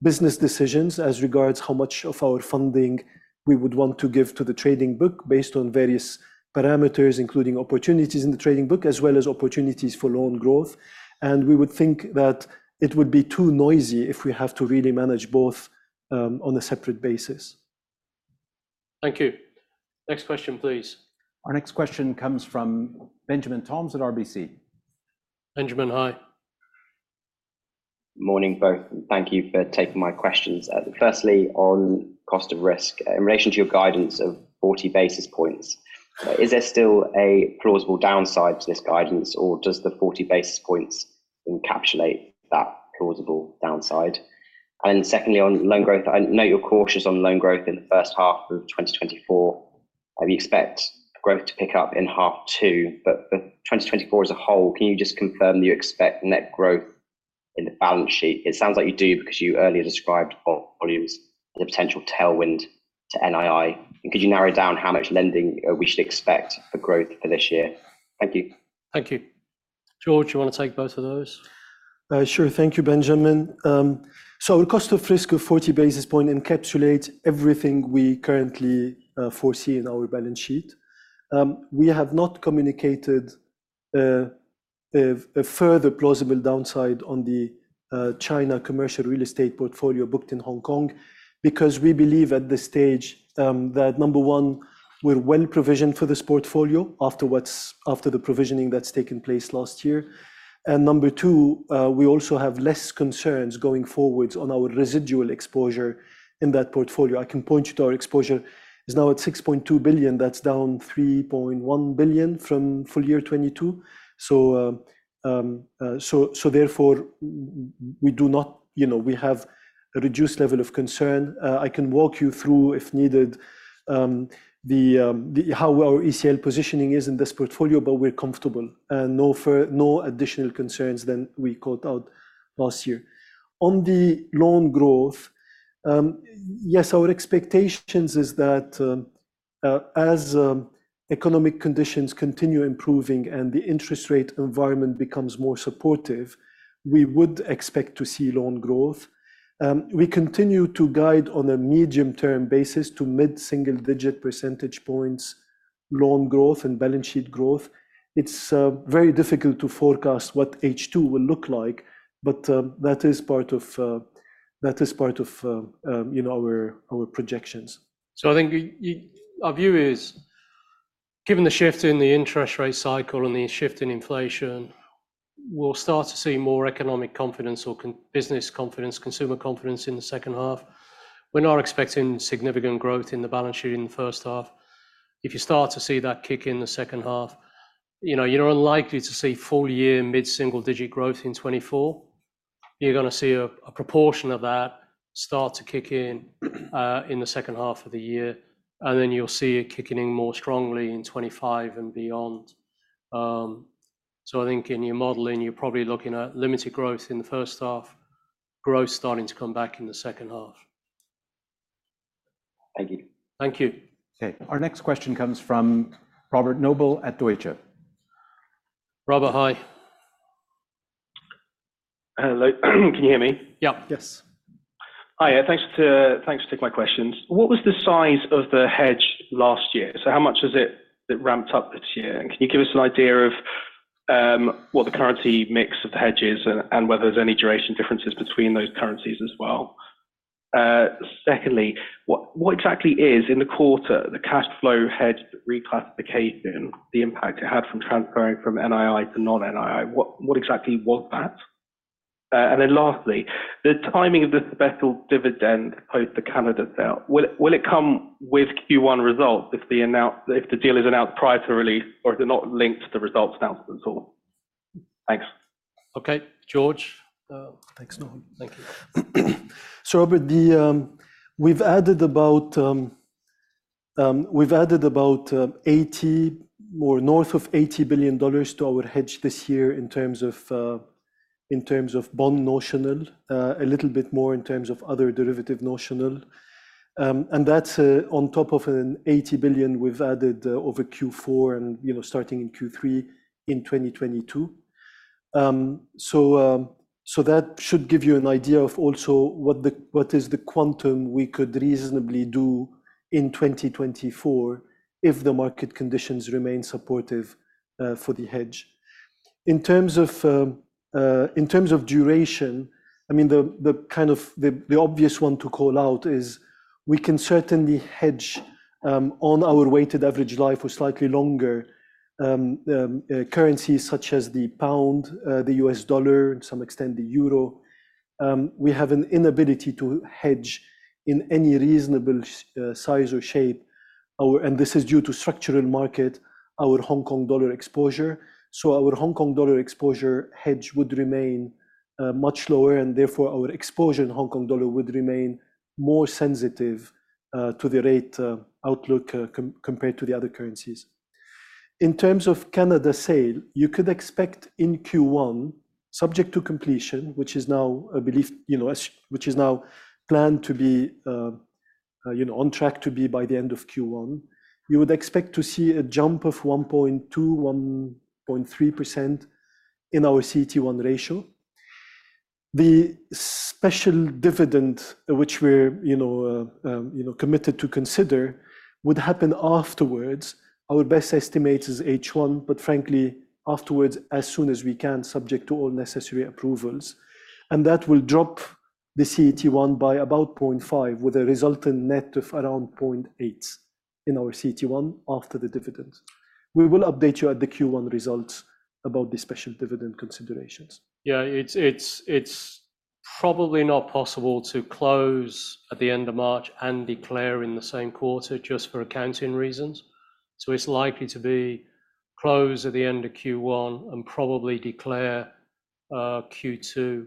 business decisions as regards how much of our funding we would want to give to the trading book based on various parameters, including opportunities in the trading book, as well as opportunities for loan growth. And we would think that it would be too noisy if we have to really manage both on a separate basis. Thank you. Next question, please. Our next question comes from Benjamin Toms at RBC. Benjamin, hi. Morning, both. And thank you for taking my questions. Firstly, on cost of risk, in relation to your guidance of 40 basis points, is there still a plausible downside to this guidance, or does the 40 basis points encapsulate that plausible downside? And then secondly, on loan growth, I note you're cautious on loan growth in the first half of 2024. We expect growth to pick up in half two. But for 2024 as a whole, can you just confirm that you expect net growth in the balance sheet? It sounds like you do because you earlier described volumes as a potential tailwind to NII. And could you narrow down how much lending we should expect for growth for this year? Thank you. Thank you. George, you want to take both of those? Sure. Thank you, Benjamin. So our cost of risk of 40 basis points encapsulates everything we currently foresee in our balance sheet. We have not communicated a further plausible downside on the China commercial real estate portfolio booked in Hong Kong because we believe at this stage that, number one, we're well provisioned for this portfolio after the provisioning that's taken place last year. And number two, we also have less concerns going forwards on our residual exposure in that portfolio. I can point you to our exposure. It's now at $6.2 billion. That's down $3.1 billion from full year 2022. So therefore, we do not have a reduced level of concern. I can walk you through, if needed, how our ECL positioning is in this portfolio, but we're comfortable. And no additional concerns than we called out last year. On the loan growth, yes, our expectations is that as economic conditions continue improving and the interest rate environment becomes more supportive, we would expect to see loan growth. We continue to guide on a medium-term basis to mid-single-digit percentage points loan growth and balance sheet growth. It's very difficult to forecast what H2 will look like, but that is part of our projections. So I think our view is, given the shift in the interest rate cycle and the shift in inflation, we'll start to see more economic confidence or business confidence, consumer confidence in the second half. We're not expecting significant growth in the balance sheet in the first half. If you start to see that kick in the second half, you're unlikely to see full-year mid-single-digit growth in 2024. You're going to see a proportion of that start to kick in in the second half of the year. And then you'll see it kicking in more strongly in 2025 and beyond. So I think in your modeling, you're probably looking at limited growth in the first half, growth starting to come back in the second half. Thank you. Thank you. Okay. Our next question comes from Robert Noble at Deutsche. Robert, hi. Hello. Can you hear me? Yep. Yes. Hi. Thanks to take my questions. What was the size of the hedge last year? So how much has it ramped up this year? And can you give us an idea of what the currency mix of the hedge is and whether there's any duration differences between those currencies as well? Secondly, what exactly is, in the quarter, the cash flow hedge reclassification, the impact it had from transferring from NII to non-NII? What exactly was that? And then lastly, the timing of the special dividend post the Canada sale, will it come with Q1 results if the deal is announced prior to release or is it not linked to the results announcement at all? Thanks. Okay. George. Thanks, Noel. Thank you. So Robert, we've added about 80 or north of $80 billion to our hedge this year in terms of bond notional, a little bit more in terms of other derivative notional. And that's on top of an $80 billion we've added over Q4 and starting in Q3 in 2022. So that should give you an idea of also what is the quantum we could reasonably do in 2024 if the market conditions remain supportive for the hedge. In terms of duration, I mean, the kind of the obvious one to call out is, we can certainly hedge on our weighted average life or slightly longer currencies such as the pound, the US dollar, and to some extent, the euro. We have an inability to hedge in any reasonable size or shape. And this is due to structural market, our Hong Kong dollar exposure. So our Hong Kong dollar exposure hedge would remain much lower. And therefore, our exposure in Hong Kong dollar would remain more sensitive to the rate outlook compared to the other currencies. In terms of Canada sale, you could expect in Q1, subject to completion, which is now planned to be on track to be by the end of Q1, you would expect to see a jump of 1.2%-1.3% in our CET1 ratio. The special dividend, which we're committed to consider, would happen afterwards. Our best estimate is H1, but frankly, afterwards, as soon as we can, subject to all necessary approvals. And that will drop the CET1 by about 0.5%, with a resultant net of around 0.8% in our CET1 after the dividend. We will update you at the Q1 results about the special dividend considerations. Yeah. It's probably not possible to close at the end of March and declare in the same quarter just for accounting reasons. So it's likely to be close at the end of Q1 and probably declare Q2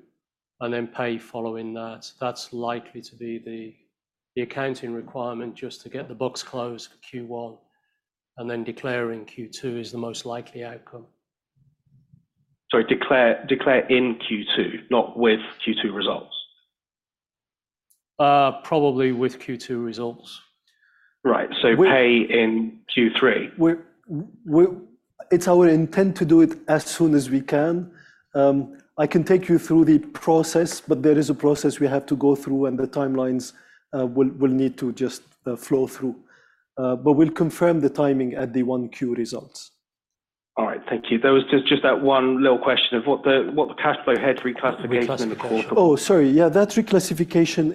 and then pay following that. That's likely to be the accounting requirement just to get the box closed for Q1. Then declare in Q2 is the most likely outcome. Sorry. Declare in Q2, not with Q2 results? Probably with Q2 results. Right. So pay in Q3? It's our intent to do it as soon as we can. I can take you through the process, but there is a process we have to go through, and the timelines will need to just flow through. But we'll confirm the timing at the 1Q results. All right. Thank you. That was just that one little question of what the cash flow hedge reclassification in the quarter was. Oh, sorry. Yeah. That reclassification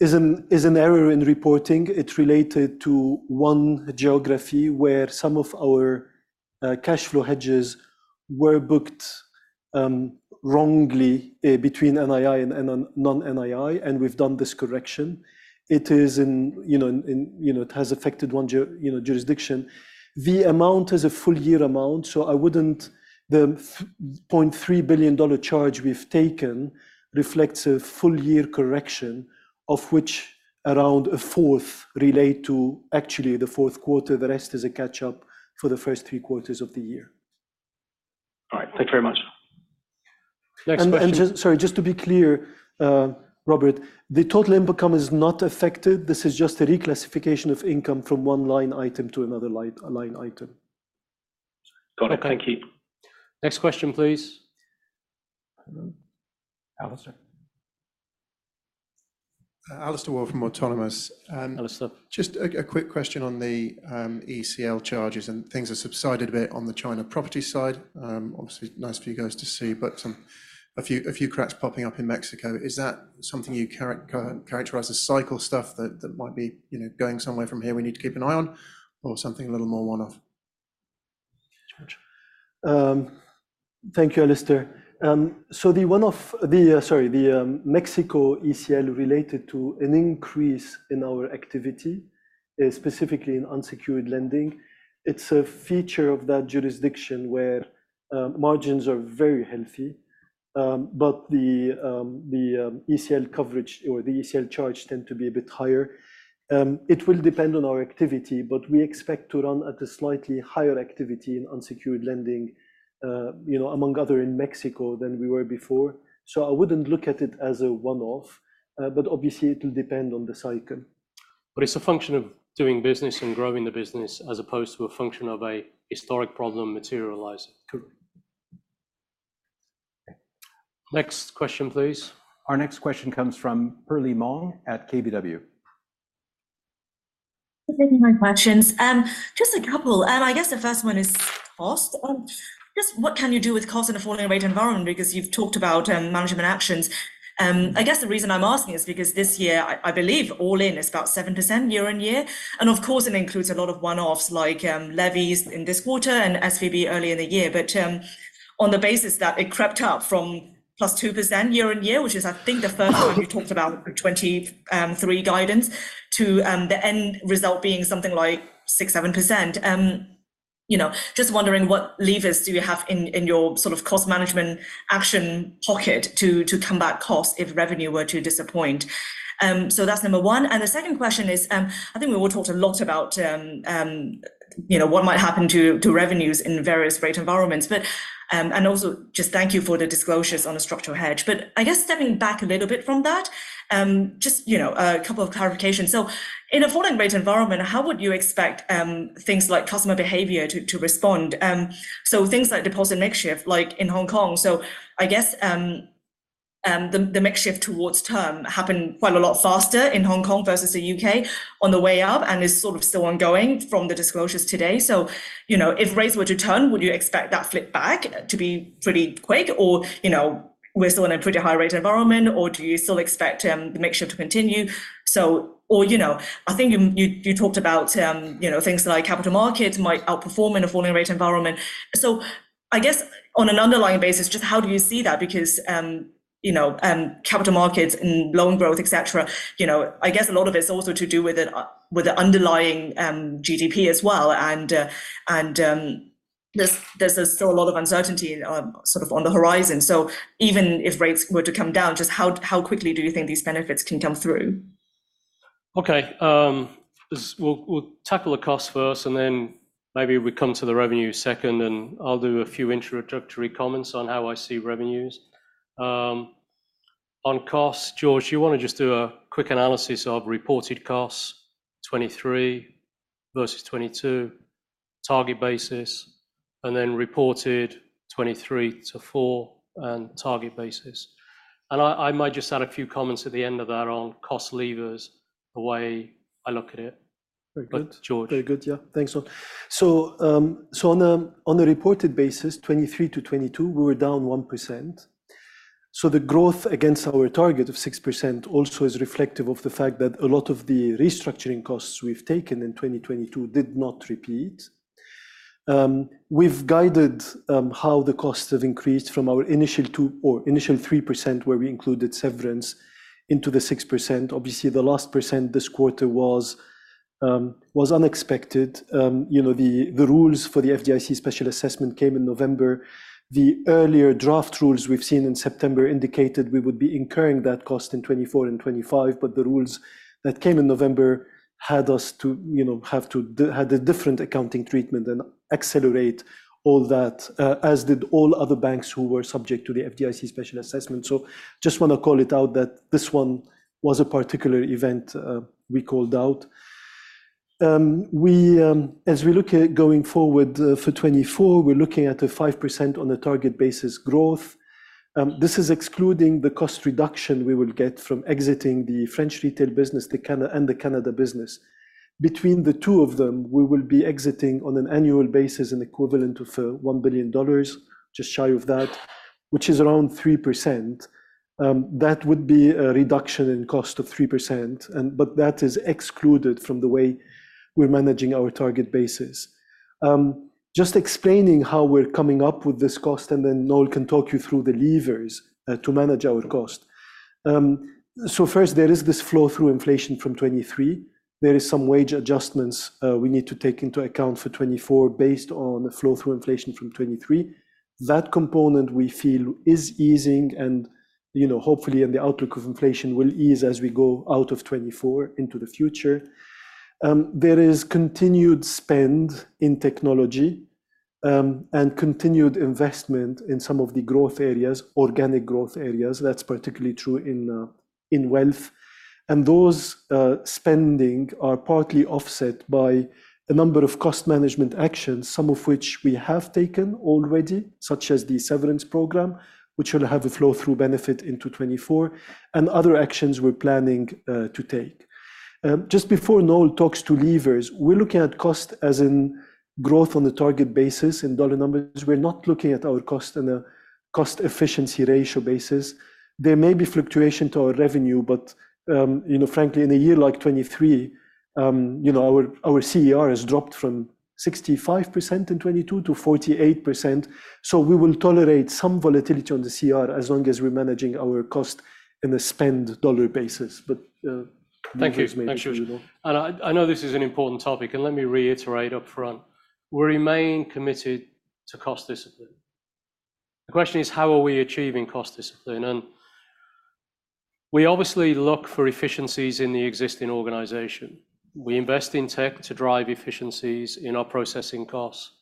is an error in reporting. It's related to one geography where some of our cash flow hedges were booked wrongly between NII and non-NII. And we've done this correction. It is. It has affected one jurisdiction. The amount is a full-year amount. So, the $0.3 billion charge we've taken reflects a full-year correction, of which around a fourth relate to actually the fourth quarter. The rest is a catch-up for the first three quarters of the year. All right. Thank you very much. Next question. Sorry, just to be clear, Robert, the total income is not affected. This is just a reclassification of income from one line item to another line item. Got it. Thank you. Next question, please. Alistair. Alastair Wall from Autonomous. Alistair. Just a quick question on the ECL charges. Things have subsided a bit on the China property side. Obviously, nice for you guys to see, but a few cracks popping up in Mexico. Is that something you characterize as cycle stuff that might be going somewhere from here we need to keep an eye on or something a little more one-off? George. Thank you, Alistair. So the one-off, sorry, the Mexico ECL related to an increase in our activity, specifically in unsecured lending. It's a feature of that jurisdiction where margins are very healthy. But the ECL coverage or the ECL charge tend to be a bit higher. It will depend on our activity, but we expect to run at a slightly higher activity in unsecured lending, among other in Mexico, than we were before. So I wouldn't look at it as a one-off. But obviously, it will depend on the cycle. But it's a function of doing business and growing the business as opposed to a function of a historic problem materializing. Correct? Next question, please. Our next question comes from Perlie Mong at KBW. Thank you for taking my questions. Just a couple. I guess the first one is cost. Just what can you do with cost in a falling rate environment? Because you've talked about management actions. I guess the reason I'm asking is because this year, I believe, all-in is about 7% year-on-year. And of course, it includes a lot of one-offs like levies in this quarter and SVB early in the year. But on the basis that it crept up from +2% year-on-year, which is, I think, the first time you talked about 2023 guidance, to the end result being something like 6%-7%, just wondering what levers do you have in your sort of cost management action pocket to combat costs if revenue were to disappoint? So that's number one. The second question is, I think we all talked a lot about what might happen to revenues in various rate environments. And also, just thank you for the disclosures on a structural hedge. But I guess stepping back a little bit from that, just a couple of clarifications. So in a falling rate environment, how would you expect things like customer behavior to respond? So things like deposit mix shift, like in Hong Kong. So I guess the mix shift towards term happened quite a lot faster in Hong Kong versus the UK on the way up and is sort of still ongoing from the disclosures today. So if rates were to turn, would you expect that flip back to be pretty quick? Or we're still in a pretty high-rate environment? Or do you still expect the mix shift to continue? Or, I think you talked about things like capital markets might outperform in a falling rate environment. So I guess on an underlying basis, just how do you see that? Because capital markets and loan growth, etc., I guess a lot of it's also to do with the underlying GDP as well. And there's still a lot of uncertainty sort of on the horizon. So even if rates were to come down, just how quickly do you think these benefits can come through? Okay. We'll tackle the costs first, and then maybe we come to the revenues second. And I'll do a few introductory comments on how I see revenues. On costs, George, you want to just do a quick analysis of reported costs 2023 versus 2022, target basis, and then reported 2023 to 2024 and target basis. And I might just add a few comments at the end of that on cost levers, the way I look at it. But George. Very good. Yeah. Thanks, John. So on a reported basis, 2023 to 2022, we were down 1%. So the growth against our target of 6% also is reflective of the fact that a lot of the restructuring costs we've taken in 2022 did not repeat. We've guided how the costs have increased from our initial 2% or initial 3% where we included severance into the 6%. Obviously, the last percent this quarter was unexpected. The rules for the FDIC special assessment came in November. The earlier draft rules we've seen in September indicated we would be incurring that cost in 2024 and 2025. But the rules that came in November had us to have to had a different accounting treatment and accelerate all that, as did all other banks who were subject to the FDIC special assessment. So just want to call it out that this one was a particular event we called out. As we look going forward for 2024, we're looking at a 5% on a target basis growth. This is excluding the cost reduction we will get from exiting the French retail business and the Canada business. Between the two of them, we will be exiting on an annual basis an equivalent of $1 billion, just shy of that, which is around 3%. That would be a reduction in cost of 3%. But that is excluded from the way we're managing our target basis. Just explaining how we're coming up with this cost. And then Noel can talk you through the levers to manage our cost. So first, there is this flow-through inflation from 2023. There are some wage adjustments we need to take into account for 2024 based on the flow-through inflation from 2023. That component, we feel, is easing. And hopefully the outlook of inflation will ease as we go out of 2024 into the future. There is continued spend in technology and continued investment in some of the growth areas, organic growth areas. That's particularly true in wealth. And those spending are partly offset by a number of cost management actions, some of which we have taken already, such as the severance program, which will have a flow-through benefit into 2024, and other actions we're planning to take. Just before Noel talks to levers, we're looking at cost as in growth on a target basis in dollar numbers. We're not looking at our cost on a cost-efficiency ratio basis. There may be fluctuation to our revenue. Frankly, in a year like 2023, our CER has dropped from 65% in 2022 to 48%. We will tolerate some volatility on the CER as long as we're managing our cost in a spend dollar basis. But. Thank you. Thank you. I know this is an important topic. Let me reiterate upfront. We remain committed to cost discipline. The question is, how are we achieving cost discipline? We obviously look for efficiencies in the existing organization. We invest in tech to drive efficiencies in our processing costs.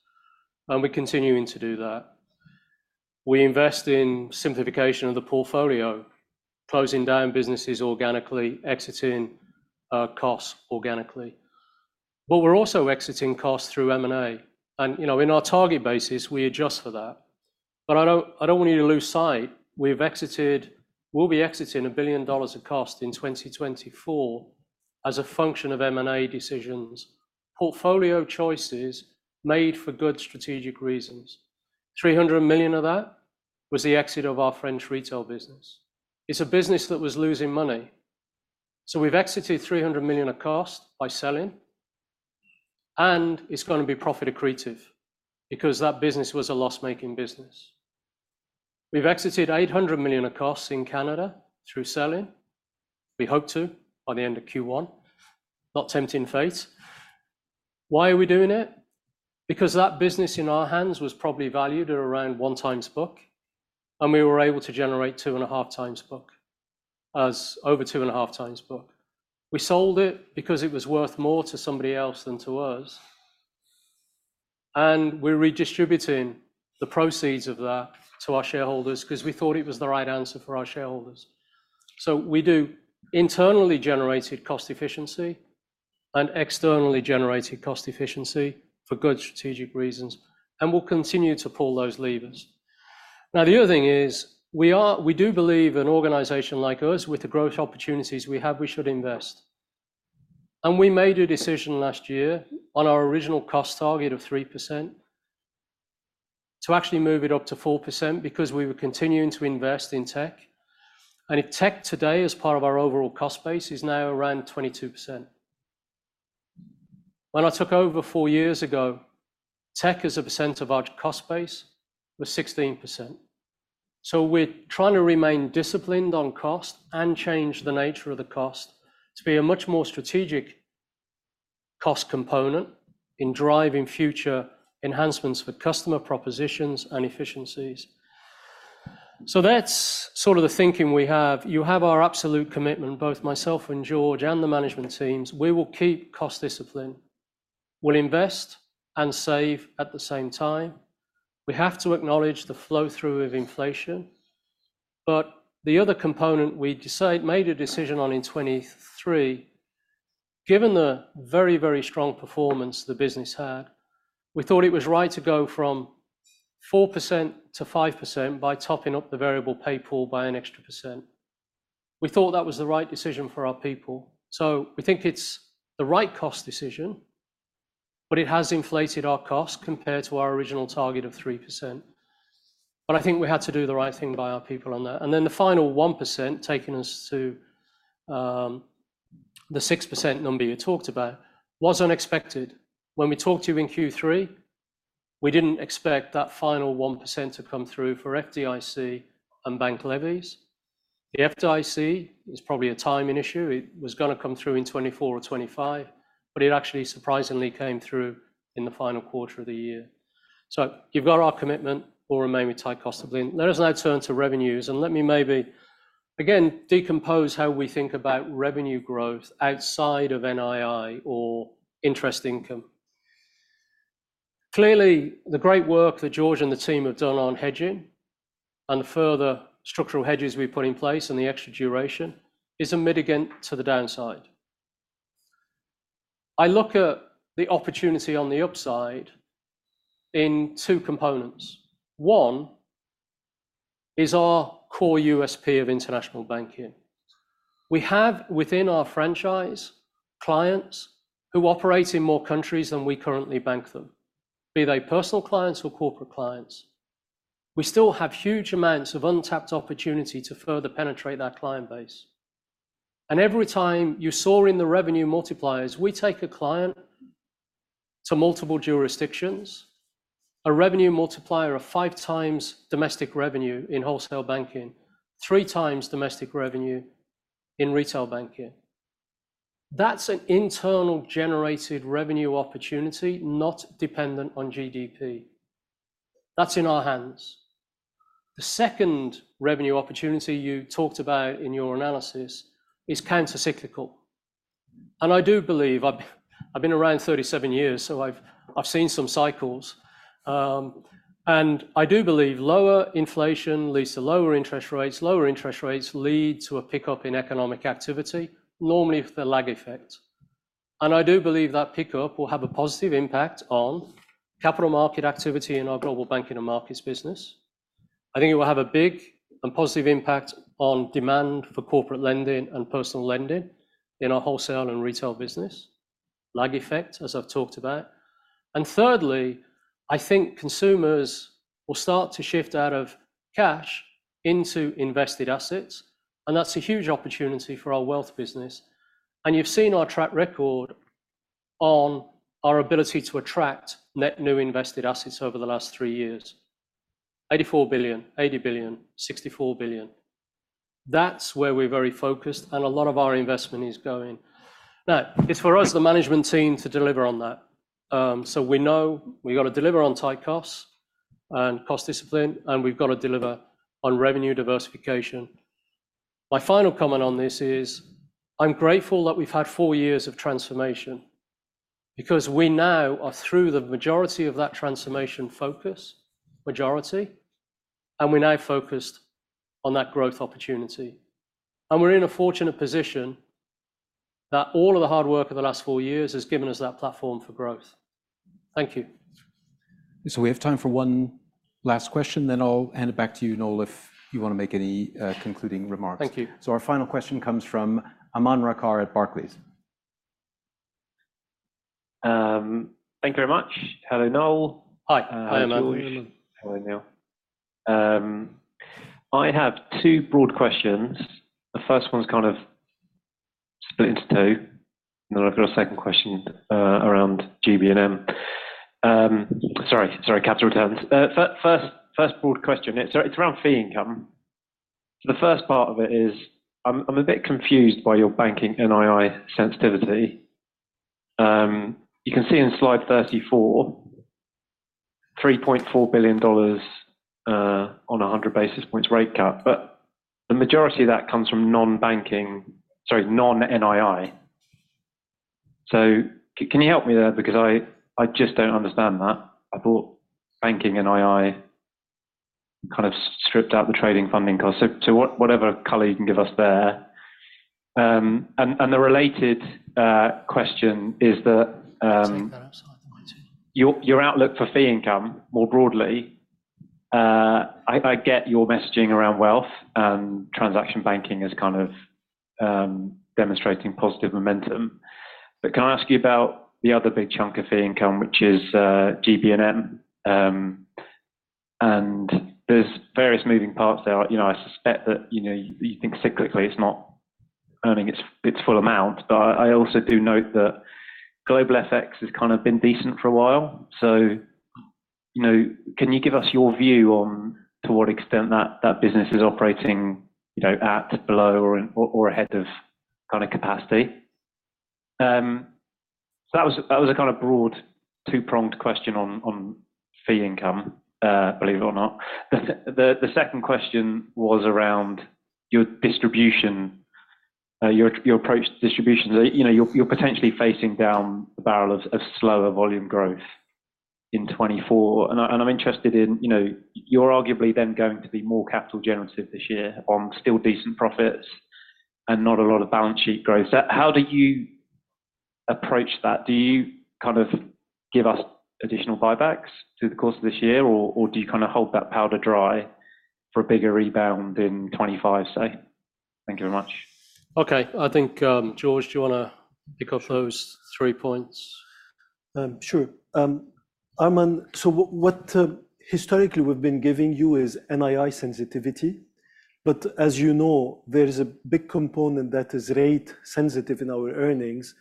We're continuing to do that. We invest in simplification of the portfolio, closing down businesses organically, exiting costs organically. We're also exiting costs through M&A. In our target basis, we adjust for that. I don't want you to lose sight. We'll be exiting $1 billion of cost in 2024 as a function of M&A decisions, portfolio choices made for good strategic reasons. $300 million of that was the exit of our French retail business. It's a business that was losing money. We've exited $300 million of cost by selling. It's going to be profit accretive because that business was a loss-making business. We've exited $800 million of costs in Canada through selling. We hope to by the end of Q1. Not tempting fate. Why are we doing it? Because that business in our hands was probably valued at around 1x book. And we were able to generate 2.5x book as over 2.5x book. We sold it because it was worth more to somebody else than to us. And we're redistributing the proceeds of that to our shareholders because we thought it was the right answer for our shareholders. So we do internally generated cost efficiency and externally generated cost efficiency for good strategic reasons. And we'll continue to pull those levers. Now, the other thing is, we do believe an organization like us, with the growth opportunities we have, we should invest. We made a decision last year on our original cost target of 3%-4% because we were continuing to invest in tech. Tech today, as part of our overall cost base, is now around 22%. When I took over four years ago, tech as a percent of our cost base was 16%. So we're trying to remain disciplined on cost and change the nature of the cost to be a much more strategic cost component in driving future enhancements for customer propositions and efficiencies. So that's sort of the thinking we have. You have our absolute commitment, both myself and George and the management teams. We will keep cost discipline. We'll invest and save at the same time. We have to acknowledge the flow-through of inflation. But the other component we made a decision on in 2023, given the very, very strong performance the business had, we thought it was right to go from 4%-5% by topping up the variable pay pool by an extra percent. We thought that was the right decision for our people. So we think it's the right cost decision. But it has inflated our costs compared to our original target of 3%. But I think we had to do the right thing by our people on that. And then the final 1%, taking us to the 6% number you talked about, was unexpected. When we talked to you in Q3, we didn't expect that final 1% to come through for FDIC and bank levies. The FDIC is probably a timing issue. It was going to come through in 2024 or 2025. But it actually, surprisingly, came through in the final quarter of the year. So you've got our commitment. We'll remain with tight cost discipline. Let us now turn to revenues. And let me maybe, again, decompose how we think about revenue growth outside of NII or interest income. Clearly, the great work that George and the team have done on hedging and the further structural hedges we put in place and the extra duration is a mitigant to the downside. I look at the opportunity on the upside in two components. One is our core USP of international banking. We have, within our franchise, clients who operate in more countries than we currently bank them, be they personal clients or corporate clients. We still have huge amounts of untapped opportunity to further penetrate that client base. Every time you saw in the revenue multipliers, we take a client to multiple jurisdictions, a revenue multiplier of 5x domestic revenue in wholesale banking, 3x domestic revenue in retail banking. That's an internally generated revenue opportunity, not dependent on GDP. That's in our hands. The second revenue opportunity you talked about in your analysis is countercyclical. I do believe I've been around 37 years. So I've seen some cycles. I do believe lower inflation leads to lower interest rates. Lower interest rates lead to a pickup in economic activity, normally with the lag effect. I do believe that pickup will have a positive impact on capital market activity in our global banking and markets business. I think it will have a big and positive impact on demand for corporate lending and personal lending in our wholesale and retail business, lag effect, as I've talked about. And thirdly, I think consumers will start to shift out of cash into invested assets. And that's a huge opportunity for our wealth business. And you've seen our track record on our ability to attract net new invested assets over the last three years: $84 billion, $80 billion, $64 billion. That's where we're very focused. And a lot of our investment is going. Now, it's for us, the management team, to deliver on that. So we know we've got to deliver on tight costs and cost discipline. And we've got to deliver on revenue diversification. My final comment on this is, I'm grateful that we've had four years of transformation because we now are through the majority of that transformation focus, majority. We now focused on that growth opportunity. We're in a fortunate position that all of the hard work of the last four years has given us that platform for growth. Thank you. We have time for one last question. I'll hand it back to you, Noel, if you want to make any concluding remarks. Thank you. Our final question comes from Rakar Aman at Barclays. Thank you very much. Hello, Noel. Hi. I am Aman. Hello, Neil. I have two broad questions. The first one's kind of split into two. And then I've got a second question around GB&M. Sorry, sorry, capital returns. First broad question, it's around fee income. So the first part of it is, I'm a bit confused by your banking NII sensitivity. You can see in slide 34, $3.4 billion on 100 basis points rate cut. But the majority of that comes from non-banking sorry, non-NII. So can you help me there? Because I just don't understand that. I thought banking NII kind of stripped out the trading funding cost. So whatever color you can give us there. And the related question is that your outlook for fee income, more broadly, I get your messaging around wealth and transaction banking as kind of demonstrating positive momentum. But can I ask you about the other big chunk of fee income, which is GB&M? And there's various moving parts there. I suspect that you think cyclically, it's not earning its full amount. But I also do note that global FX has kind of been decent for a while. So can you give us your view on to what extent that business is operating at, below, or ahead of kind of capacity? So that was a kind of broad, two-pronged question on fee income, believe it or not. The second question was around your approach to distribution. You're potentially facing down the barrel of slower volume growth in 2024. And I'm interested in, you're arguably then going to be more capital-generative this year on still decent profits and not a lot of balance sheet growth. How do you approach that? Do you kind of give us additional buybacks through the course of this year? Or do you kind of hold that powder dry for a bigger rebound in 2025, say? Thank you very much. Okay. I think, George, do you want to pick up those three points? Sure. So what historically we've been giving you is NII sensitivity. But as you know, there is a big component that is rate-sensitive in our earnings,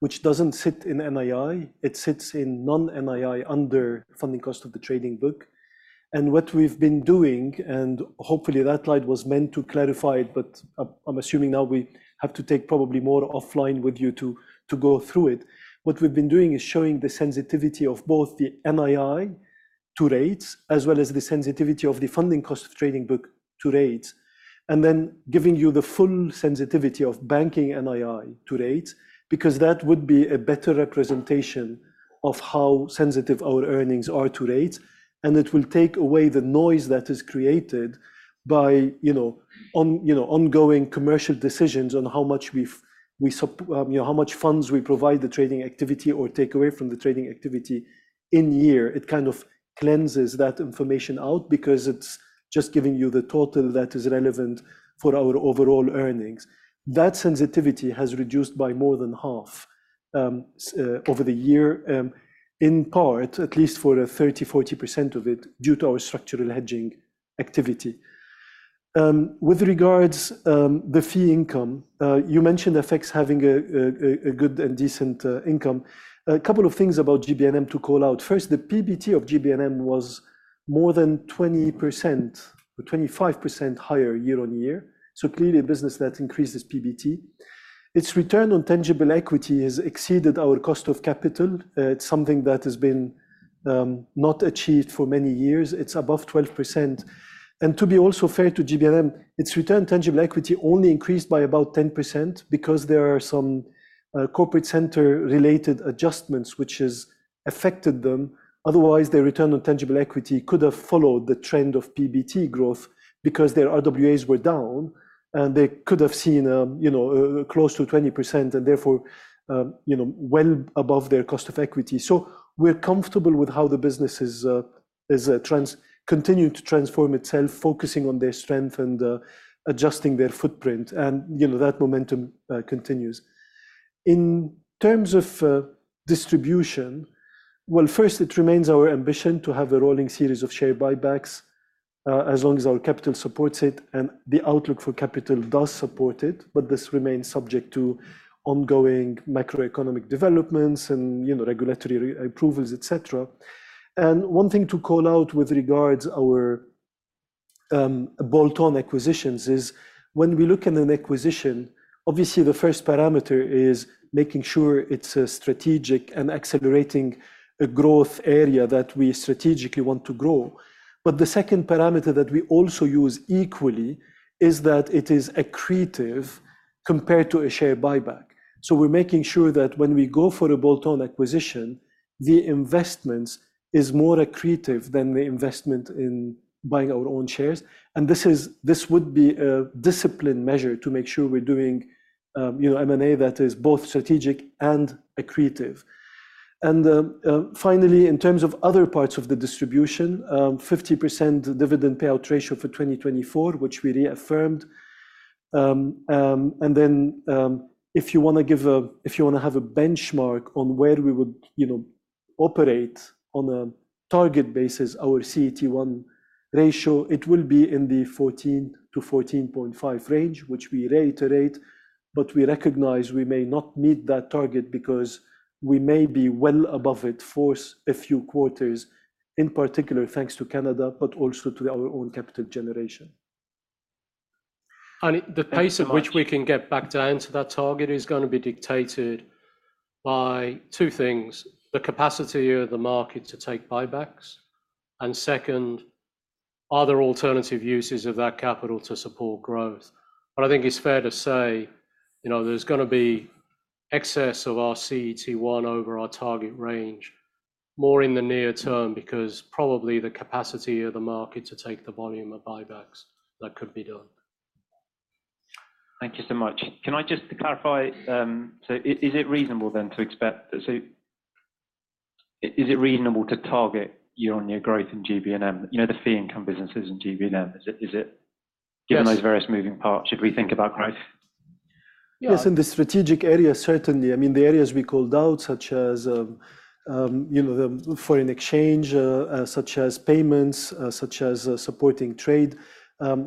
which doesn't sit in NII. It sits in non-NII under funding cost of the trading book. And what we've been doing and hopefully, that slide was meant to clarify it. But I'm assuming now we have to take probably more offline with you to go through it. What we've been doing is showing the sensitivity of both the NII to rates as well as the sensitivity of the funding cost of trading book to rates, and then giving you the full sensitivity of banking NII to rates because that would be a better representation of how sensitive our earnings are to rates. It will take away the noise that is created by ongoing commercial decisions on how much funds we provide the trading activity or take away from the trading activity in year. It kind of cleanses that information out because it's just giving you the total that is relevant for our overall earnings. That sensitivity has reduced by more than half over the year, in part, at least for 30%-40% of it, due to our structural hedging activity. With regards to the fee income, you mentioned FX having a good and decent income. A couple of things about GB&M to call out. First, the PBT of GB&M was more than 20% or 25% higher year-on-year. So clearly, a business that increases PBT. Its return on tangible equity has exceeded our cost of capital. It's something that has been not achieved for many years. It's above 12%. To be also fair to GB&M, its return on tangible equity only increased by about 10% because there are some corporate center-related adjustments which have affected them. Otherwise, their return on tangible equity could have followed the trend of PBT growth because their RWAs were down. They could have seen close to 20% and, therefore, well above their cost of equity. We're comfortable with how the business has continued to transform itself, focusing on their strength and adjusting their footprint. That momentum continues. In terms of distribution, well, first, it remains our ambition to have a rolling series of share buybacks as long as our capital supports it. The outlook for capital does support it. This remains subject to ongoing macroeconomic developments and regulatory approvals, etc. One thing to call out with regards to our bolt-on acquisitions is, when we look at an acquisition, obviously, the first parameter is making sure it's strategic and accelerating a growth area that we strategically want to grow. But the second parameter that we also use equally is that it is accretive compared to a share buyback. So we're making sure that when we go for a bolt-on acquisition, the investment is more accretive than the investment in buying our own shares. And this would be a disciplined measure to make sure we're doing M&A that is both strategic and accretive. And finally, in terms of other parts of the distribution, 50% dividend payout ratio for 2024, which we reaffirmed. And then if you want to have a benchmark on where we would operate on a target basis, our CET1 ratio, it will be in the 14-14.5 range, which we reiterate. But we recognize we may not meet that target because we may be well above it for a few quarters, in particular thanks to Canada but also to our own capital generation. The pace at which we can get back down to that target is going to be dictated by two things: the capacity of the market to take buybacks and, second, other alternative uses of that capital to support growth. But I think it's fair to say there's going to be excess of our CET1 over our target range, more in the near term because probably the capacity of the market to take the volume of buybacks that could be done. Thank you so much. Can I just clarify? So is it reasonable, then, to expect? So is it reasonable to target year-on-year growth in GB&M, the fee income businesses in GB&M? Given those various moving parts, should we think about growth? Yes. In the strategic area, certainly. I mean, the areas we called out, such as the foreign exchange, such as payments, such as supporting trade,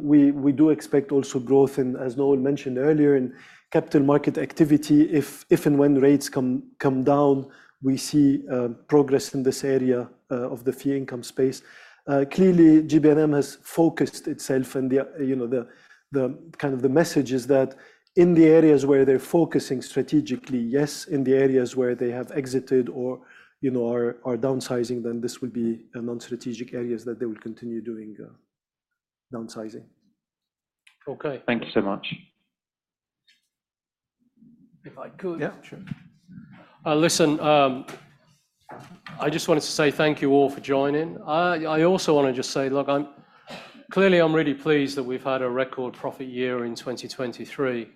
we do expect also growth in, as Noel mentioned earlier, in capital market activity. If and when rates come down, we see progress in this area of the fee income space. Clearly, GB&M has focused itself. And kind of the message is that in the areas where they're focusing strategically, yes. In the areas where they have exited or are downsizing, then this will be non-strategic areas that they will continue doing downsizing. Okay. Thank you so much. If I could. Yeah. Sure. Listen, I just wanted to say thank you all for joining. I also want to just say, look, clearly, I'm really pleased that we've had a record profit year in 2023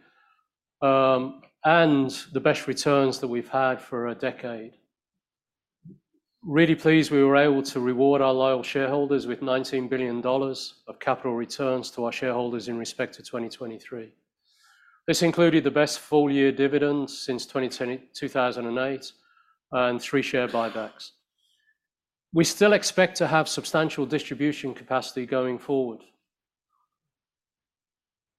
and the best returns that we've had for a decade. Really pleased we were able to reward our loyal shareholders with $19 billion of capital returns to our shareholders in respect to 2023. This included the best full-year dividend since 2008 and three share buybacks. We still expect to have substantial distribution capacity going forward.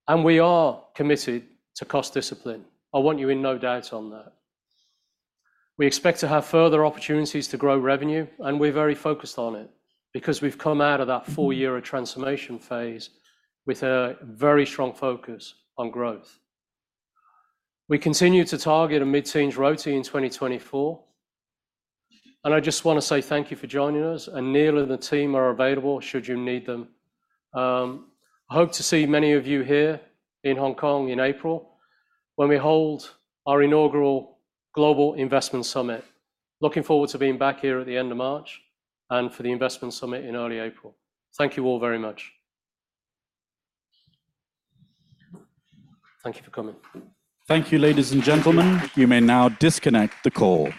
And we are committed to cost discipline. I want you in no doubt on that. We expect to have further opportunities to grow revenue. And we're very focused on it because we've come out of that four-year transformation phase with a very strong focus on growth. We continue to target a mid-teens RoTE in 2024. I just want to say thank you for joining us. Neil and the team are available should you need them. I hope to see many of you here in Hong Kong in April when we hold our inaugural Global Investment Summit. Looking forward to being back here at the end of March and for the Investment Summit in early April. Thank you all very much. Thank you for coming. Thank you, ladies and gentlemen. You may now disconnect the call.